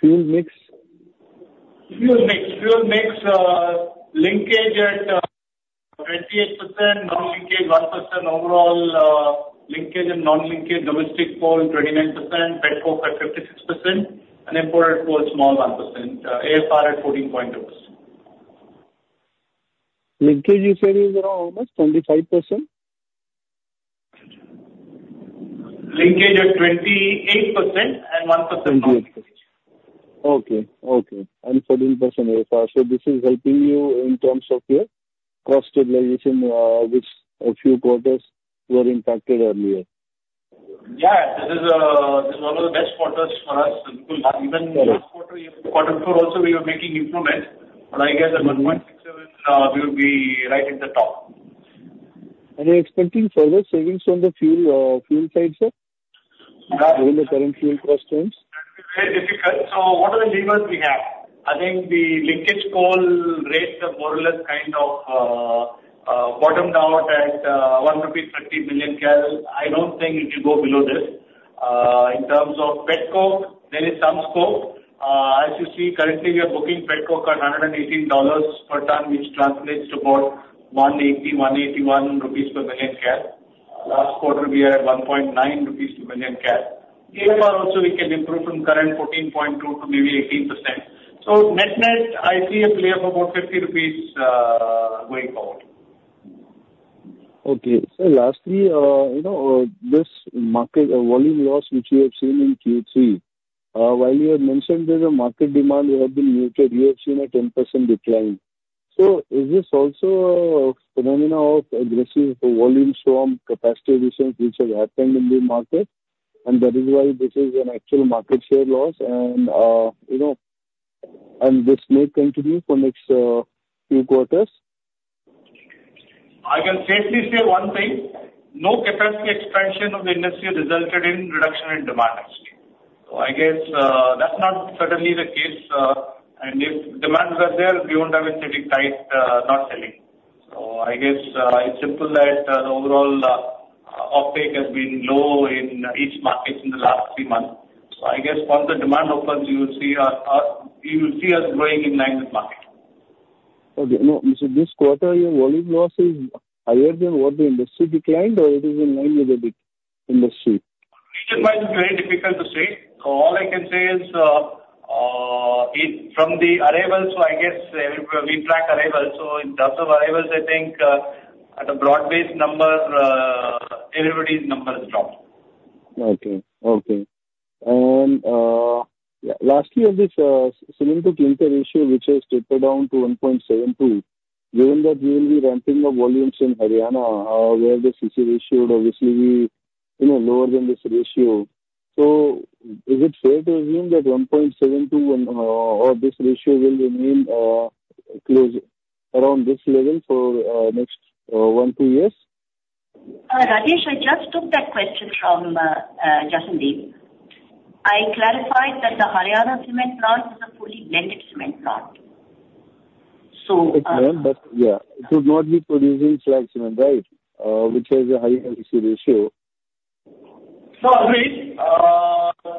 Fuel mix? Fuel mix. Linkage at 28%, non-linkage 1%, overall linkage and non-linkage domestic coal 29%, petcoke at 56%, and imported coal small 1%. AFR at 14.2%. Linkage you said is around how much, 25%? Linkage at 28% and 1% non-linkage. Okay. 14% AFR. This is helping you in terms of your cost stabilization, which a few quarters were impacted earlier. Yeah. This is one of the best quarters for us. Even last quarter four also we were making improvements, but I guess at 1.67, we will be right at the top. Are you expecting further savings on the fuel side, sir? Given the current fuel cost trends? That's very difficult. What are the levers we have? I think the linkage coal rates are more or less kind of bottomed out at 1.30 million rupees kcal. I don't think it will go below this. In terms of petcoke, there is some scope. As you see, currently, we are booking petcoke at $118 per ton, which translates to about 1.80 rupees, 1.81 rupees per million kcal. Last quarter, we are at 1.90 rupees per million kcal. AFR also we can improve from current 14.2% to maybe 18%. Net-net, I see a play of about 50 rupees going forward. Okay. Sir, lastly, this market volume loss which we have seen in Q3. While you have mentioned there's a market demand, you have been muted, you have seen a 10% decline. Is this also a phenomenon of aggressive volumes from capacity additions which have happened in the market, and that is why this is an actual market share loss, and this may continue for next few quarters? I can safely say one thing. No capacity expansion of the industry resulted in reduction in demand actually. I guess that's not certainly the case. If demand was there, we won't have a sitting tight not selling. I guess it's simple that the overall uptake has been low in each market in the last three months. I guess once the demand opens, you will see us growing in line with market. Okay. No. This quarter, your volume loss is higher than what the industry declined or it is in line with the industry? Region-wise, it's very difficult to say. All I can say is from the arrivals, I guess we track arrivals, in terms of arrivals, I think at a broad-based number, everybody's numbers dropped. Okay. Lastly, on this cement to clinker ratio which has tapered down to 1.72, given that you will be ramping up volumes in Haryana where the CC ratio would obviously be lower than this ratio. Is it fair to assume that 1.72 or this ratio will remain close around this level for next one, two years? Rajesh, I just took that question from Jashandeep. I clarified that the Haryana cement plant is a fully blended cement plant. It's blend, yeah. It would not be producing slag cement, right? Which has a higher CC ratio. Agreed.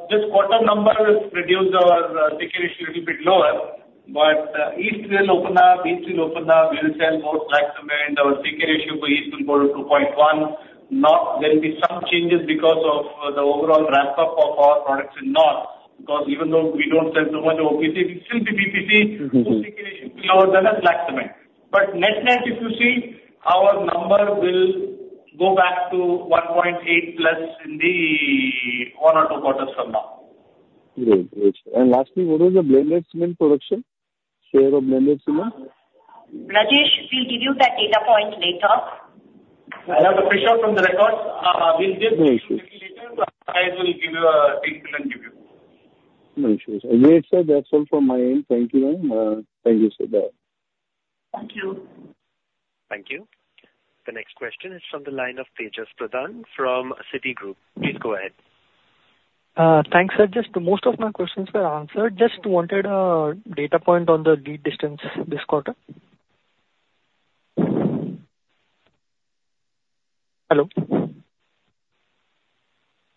This quarter number has reduced our CC ratio a little bit lower. East will open up, we will sell more slag cement. Our CC ratio for east will go to 2.1. There will be some changes because of the overall ramp-up of our products in north, because even though we don't sell so much OPC, we still do PPC. CC ratio will be lower than a slag cement. Net-net, if you see, our number will go back to 1.8 plus in the one or two quarters from now. Great. Lastly, what is the blended cement production? Share of blended cement? Rajesh, we will give you that data point later. I have the figure from the records. No issues. little later. Our guys will give you a detailed interview. No issues. Ajay, sir, that's all from my end. Thank you, ma'am. Thank you, Sidharth. Thank you. Thank you. The next question is from the line of Tejas Pradhan from Citigroup. Please go ahead. Thanks, sir. Just most of my questions were answered. Just wanted a data point on the lead distance this quarter. Hello?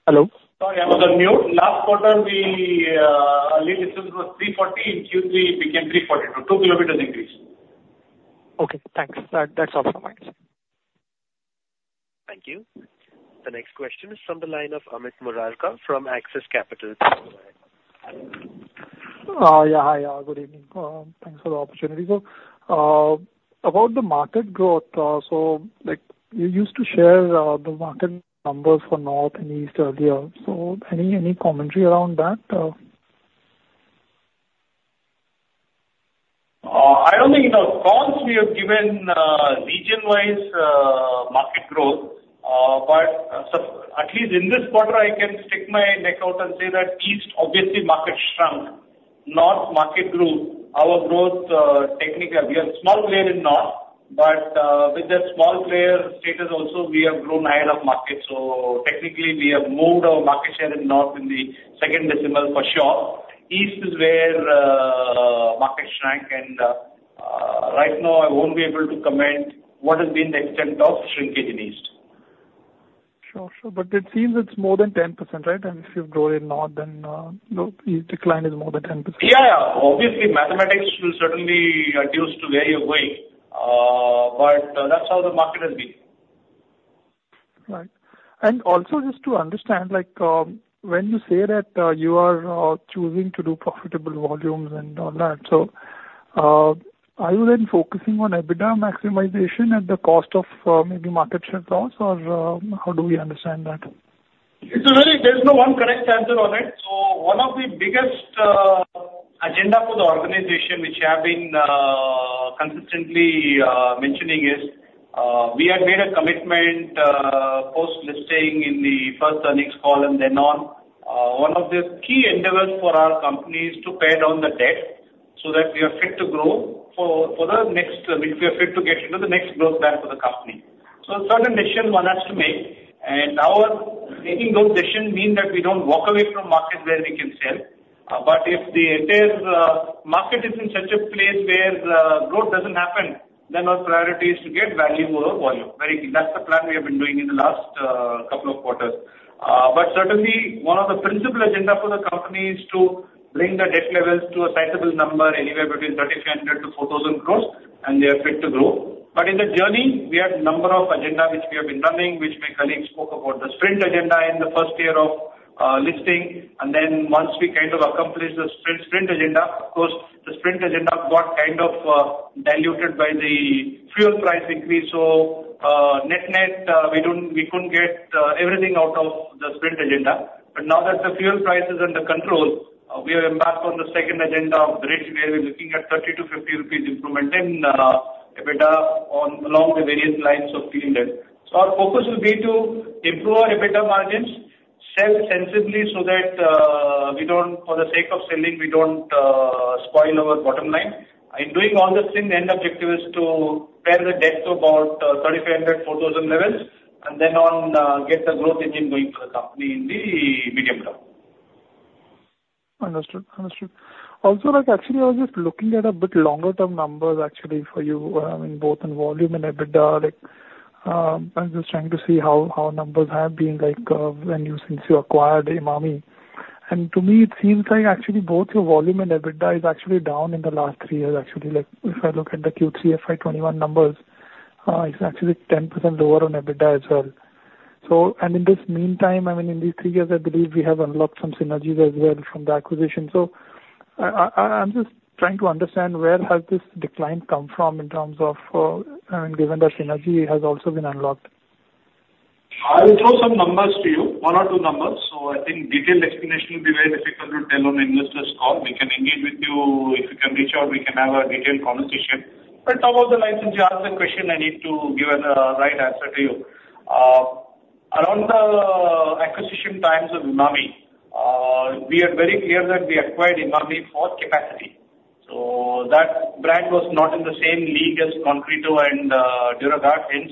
Hello? Sorry, I was on mute. Last quarter, the lead distance was 340. In Q3, it became 342. 2 kilometers increase. Okay, thanks. That's all from my side. Thank you. The next question is from the line of Amit Murarka from Axis Capital. Go ahead. Yeah. Hi, good evening. Thanks for the opportunity. About the market growth, you used to share the market numbers for North and East earlier. Any commentary around that? I don't think in our calls we have given region-wise market growth. At least in this quarter, I can stick my neck out and say that East, obviously, market shrunk. North market grew. We are a small player in North, but with that small player status also, we have grown higher up market. Technically, we have moved our market share in North in the second decimal for sure. East is where market shrank, and right now I won't be able to comment what has been the extent of shrinkage in East. Sure. It seems it's more than 10%, right? If you've grown in North, then North decline is more than 10%. Yeah. Obviously, mathematics will certainly reduce to where you're going. That's how the market has been. Right. Also, just to understand, when you say that you are choosing to do profitable volumes and all that, are you then focusing on EBITDA maximization at the cost of maybe market share loss, or how do we understand that? It's really, there's no one correct answer on it. One of the biggest agenda for the organization which I have been consistently mentioning is we had made a commitment post listing in the first earnings call and then on, one of the key endeavors for our company is to pare down the debt so that we are fit to grow for the next, we feel fit to get into the next growth plan for the company. Certain decisions one has to make, and our making those decisions mean that we don't walk away from markets where we can sell. If the market is in such a place where growth doesn't happen, then our priority is to get value over volume. Very clear. That's the plan we have been doing in the last couple of quarters. Certainly, one of the principal agenda for the company is to bring the debt levels to a sizable number, anywhere between 3,500 crore to 4,000 crore, and we are fit to grow. In the journey, we had a number of agenda which we have been running, which my colleague spoke about. Project Sprint in the first year of listing, and then once we kind of accomplished Project Sprint, of course, Project Sprint got kind of diluted by the fuel price increase. Net-net, we couldn't get everything out of Project Sprint. Now that the fuel price is under control, we are embarked on the second agenda of Project Bridge, where we're looking at 30 to 50 rupees improvement in EBITDA along the various lines of the index. Our focus will be to improve our EBITDA margins, sell sensibly so that, for the sake of selling, we don't spoil our bottom line. In doing all these things, the end objective is to pare the debt to about 3,500, 4,000 levels, and then on, get the growth engine going for the company in the medium term. Understood. Also, actually, I was just looking at a bit longer-term numbers actually for you, in both in volume and EBITDA. I'm just trying to see how our numbers have been since you acquired Emami. To me, it seems like actually both your volume and EBITDA is actually down in the last three years actually. If I look at the Q3 FY 2021 numbers, it's actually 10% lower on EBITDA as well. In this meantime, in these three years, I believe we have unlocked some synergies as well from the acquisition. I'm just trying to understand where has this decline come from in terms of, given that synergy has also been unlocked. I will throw some numbers to you, one or two numbers. I think detailed explanation will be very difficult to tell on investors call. We can engage with you. If you can reach out, we can have a detailed conversation. Above the line, since you asked the question, I need to give a right answer to you. Around the acquisition times of Emami, we are very clear that we acquired Emami for capacity. That brand was not in the same league as Concreto and Duraguard. Hence,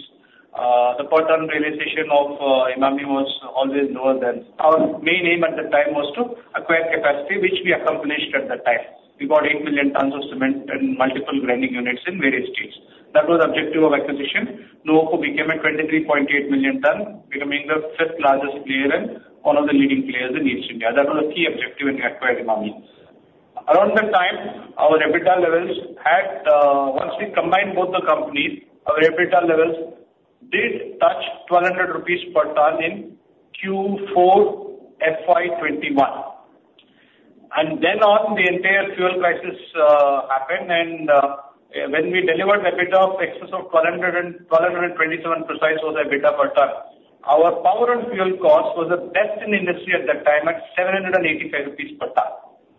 the per ton realization of Emami was always lower than. Our main aim at the time was to acquire capacity, which we accomplished at that time. We got 8 million tons of cement and multiple grinding units in various states. That was objective of acquisition. Nuvoco became a 23.8 million ton, becoming the fifth largest player and one of the leading players in East India. That was the key objective in acquiring Emami. Around that time, once we combined both the companies, our EBITDA levels did touch 100 rupees per ton in Q4 FY 2021. Then on, the entire fuel crisis happened, and when we delivered EBITDA of excess of 1,227 precise was the EBITDA per ton, our power and fuel cost was the best in the industry at that time at 785 rupees per ton.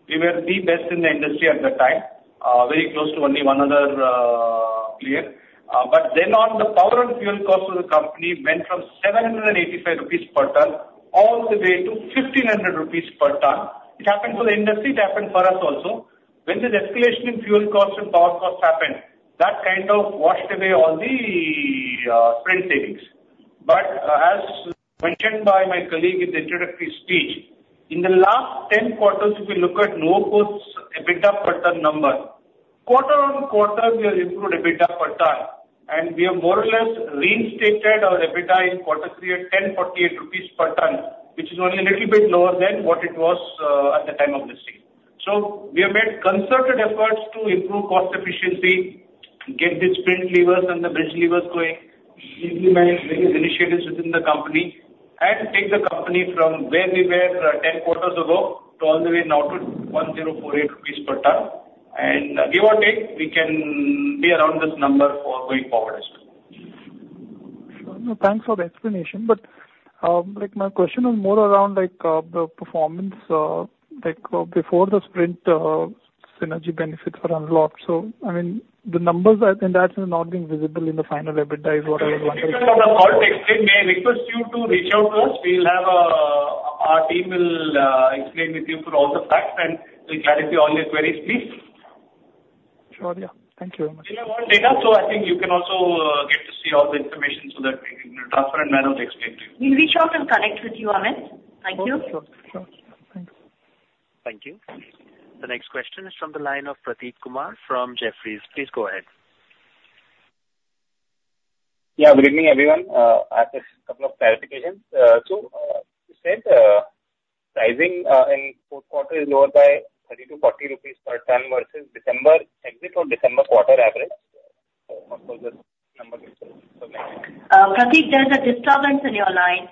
We were the best in the industry at that time, very close to only one other player. Then on, the power and fuel cost of the company went from 785 rupees per ton all the way to 1,500 rupees per ton. It happened to the industry, it happened for us also. When this escalation in fuel costs and power costs happened, that kind of washed away all the Project Sprint savings. As mentioned by my colleague in the introductory speech, in the last 10 quarters, if you look at Nuvoco's EBITDA per ton number, quarter-on-quarter, we have improved EBITDA per ton, and we have more or less reinstated our EBITDA in quarter three at 1,048 rupees per ton, which is only a little bit lower than what it was at the time of listing. We have made concerted efforts to improve cost efficiency, get the Project Sprint levers and the Project Bridge levers going, implement various initiatives within the company, and take the company from where we were 10 quarters ago to all the way now to 1,048 rupees per ton. Give or take, we can be around this number for going forward as well. Thanks for the explanation. My question was more around the performance, like before the Project Sprint synergy benefits were unlocked. The numbers, I think that's not being visible in the final EBITDA is what I was wondering. In terms of the call explained, may I request you to reach out to us? Our team will explain with you through all the facts, and we'll clarify all your queries, please. Sure. Yeah. Thank you very much. We have all data, so I think you can also get to see all the information so that we can in a transparent manner explain to you. We'll reach out and connect with you on it. Thank you. Okay. Sure. Thank you. Thank you. The next question is from the line of Prateek Kumar from Jefferies. Please go ahead. Yeah. Good evening, everyone. I have just a couple of clarifications. You said pricing in fourth quarter is lower by 30 to 40 rupees per ton versus December exit or December quarter average. Of course, those numbers. Prateek, there's a disturbance in your line.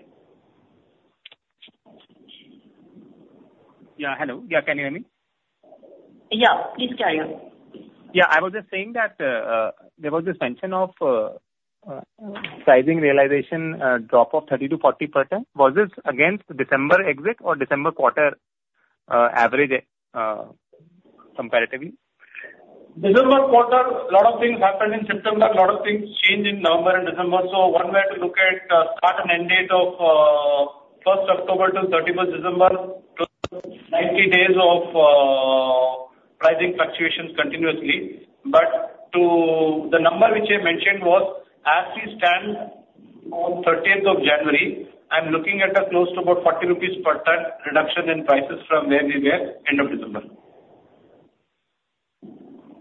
Yeah, hello. Yeah. Can you hear me? Yeah. Please carry on. Yeah, I was just saying that there was this mention of pricing realization drop of 30-40 per ton. Was this against December exit or December quarter average, comparatively? December quarter, a lot of things happened in September, a lot of things changed in November and December. One way to look at start and end date of 1st October to 31st December, those are 90 days of pricing fluctuations continuously. The number which I mentioned was, as we stand on 13th of January, I am looking at a close to about 40 rupees per ton reduction in prices from where we were end of December.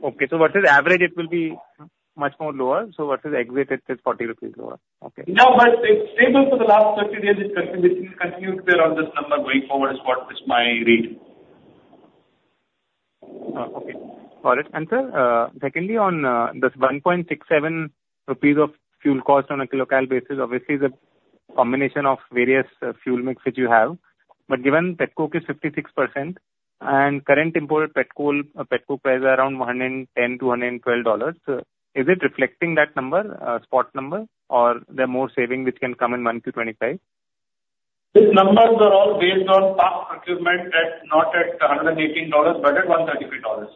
Okay, versus average, it will be much more lower. Versus exit, it is 40 rupees lower. Okay. But it's stable for the last 30 days. It will continue to be around this number going forward is what is my read. Okay, got it. Sir, secondly, on this 1.67 rupees of fuel cost on a kcal basis, obviously, it's a combination of various fuel mix which you have. Given pet coke is 56% and current import pet coke price are around $110-$112, is it reflecting that spot number, or there are more savings which can come in FY 2025? These numbers are all based on past procurement not at $118, but at $135.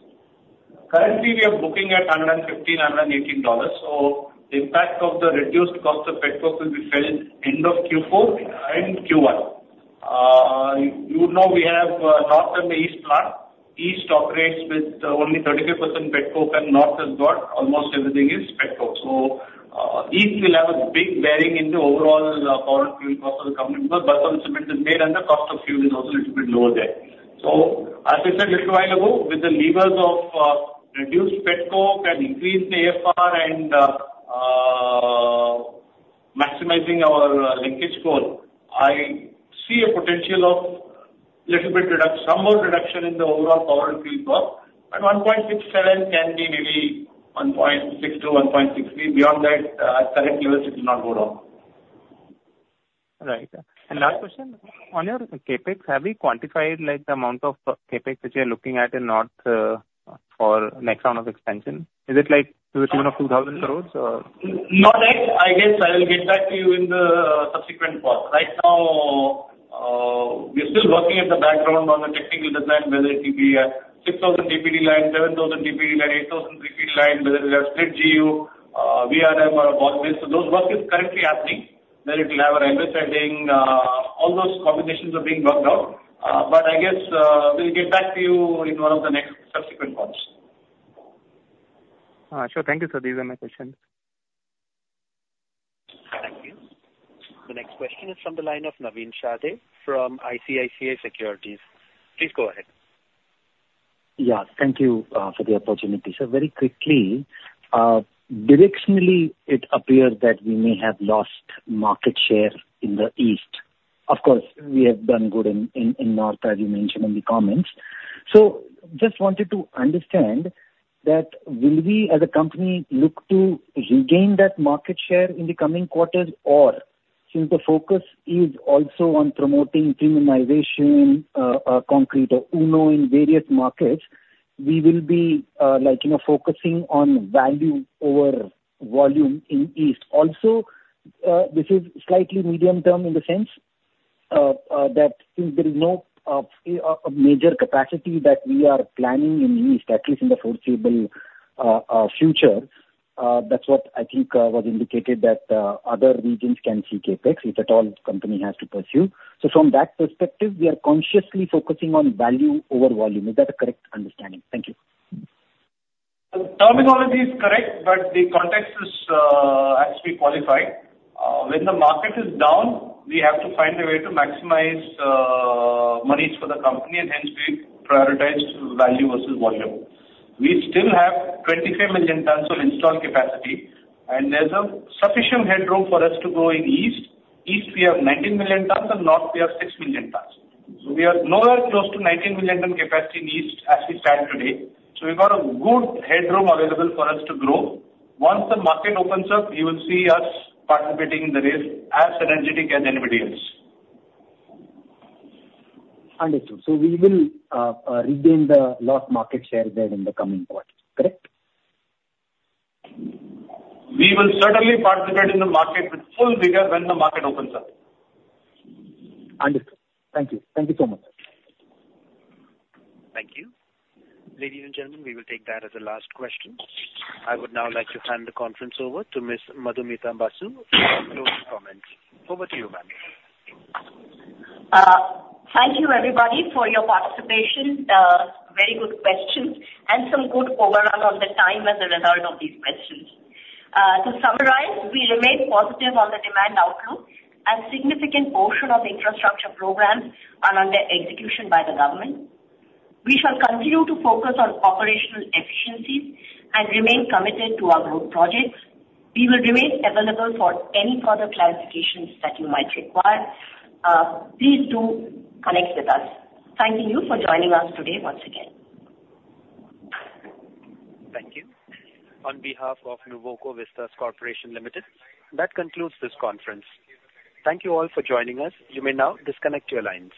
Currently, we are booking at $115, $118, impact of the reduced cost of pet coke will be felt end of Q4 and Q1. You would know we have North and the East plant. East operates with only 35% pet coke and North has got almost everything is pet coke. East will have a big bearing in the overall foreign fuel cost of the company because bulk of the cement is made and the cost of fuel is also a little bit lower there. As I said a little while ago, with the levers of reduced pet coke and increased AFR and maximizing our linkage coal, I see a potential of some more reduction in the overall foreign fuel cost, and 1.67 can be maybe 1.60-1.63. Beyond that, at current levels, it will not go down. Last question. On your CapEx, have you quantified the amount of CapEx which you're looking at in North for next round of expansion? Is it to the tune of 2,000 crores? Not yet. I guess I will get back to you in the subsequent calls. Right now, we are still working at the background on the technical design, whether it be a 6,000 TPD line, 7,000 TPD line, 8,000 TPD line, whether we have split GU, VRM or all this. Those work is currently happening. Understood. We will regain the lost market share there in the coming quarters, correct? We will certainly participate in the market with full vigor when the market opens up. Understood. Thank you. Thank you so much. Thank you. Ladies and gentlemen, we will take that as the last question. I would now like to hand the conference over to Ms. Madhumita Basu for closing comments. Over to you, ma'am. Thank you, everybody, for your participation. Very good questions and some good overall on the time as a result of these questions. To summarize, we remain positive on the demand outlook and significant portion of infrastructure programs are under execution by the government. We shall continue to focus on operational efficiencies and remain committed to our growth projects. We will remain available for any further clarifications that you might require. Please do connect with us. Thanking you for joining us today once again. Thank you. On behalf of Nuvoco Vistas Corporation Limited, that concludes this conference. Thank you all for joining us. You may now disconnect your lines.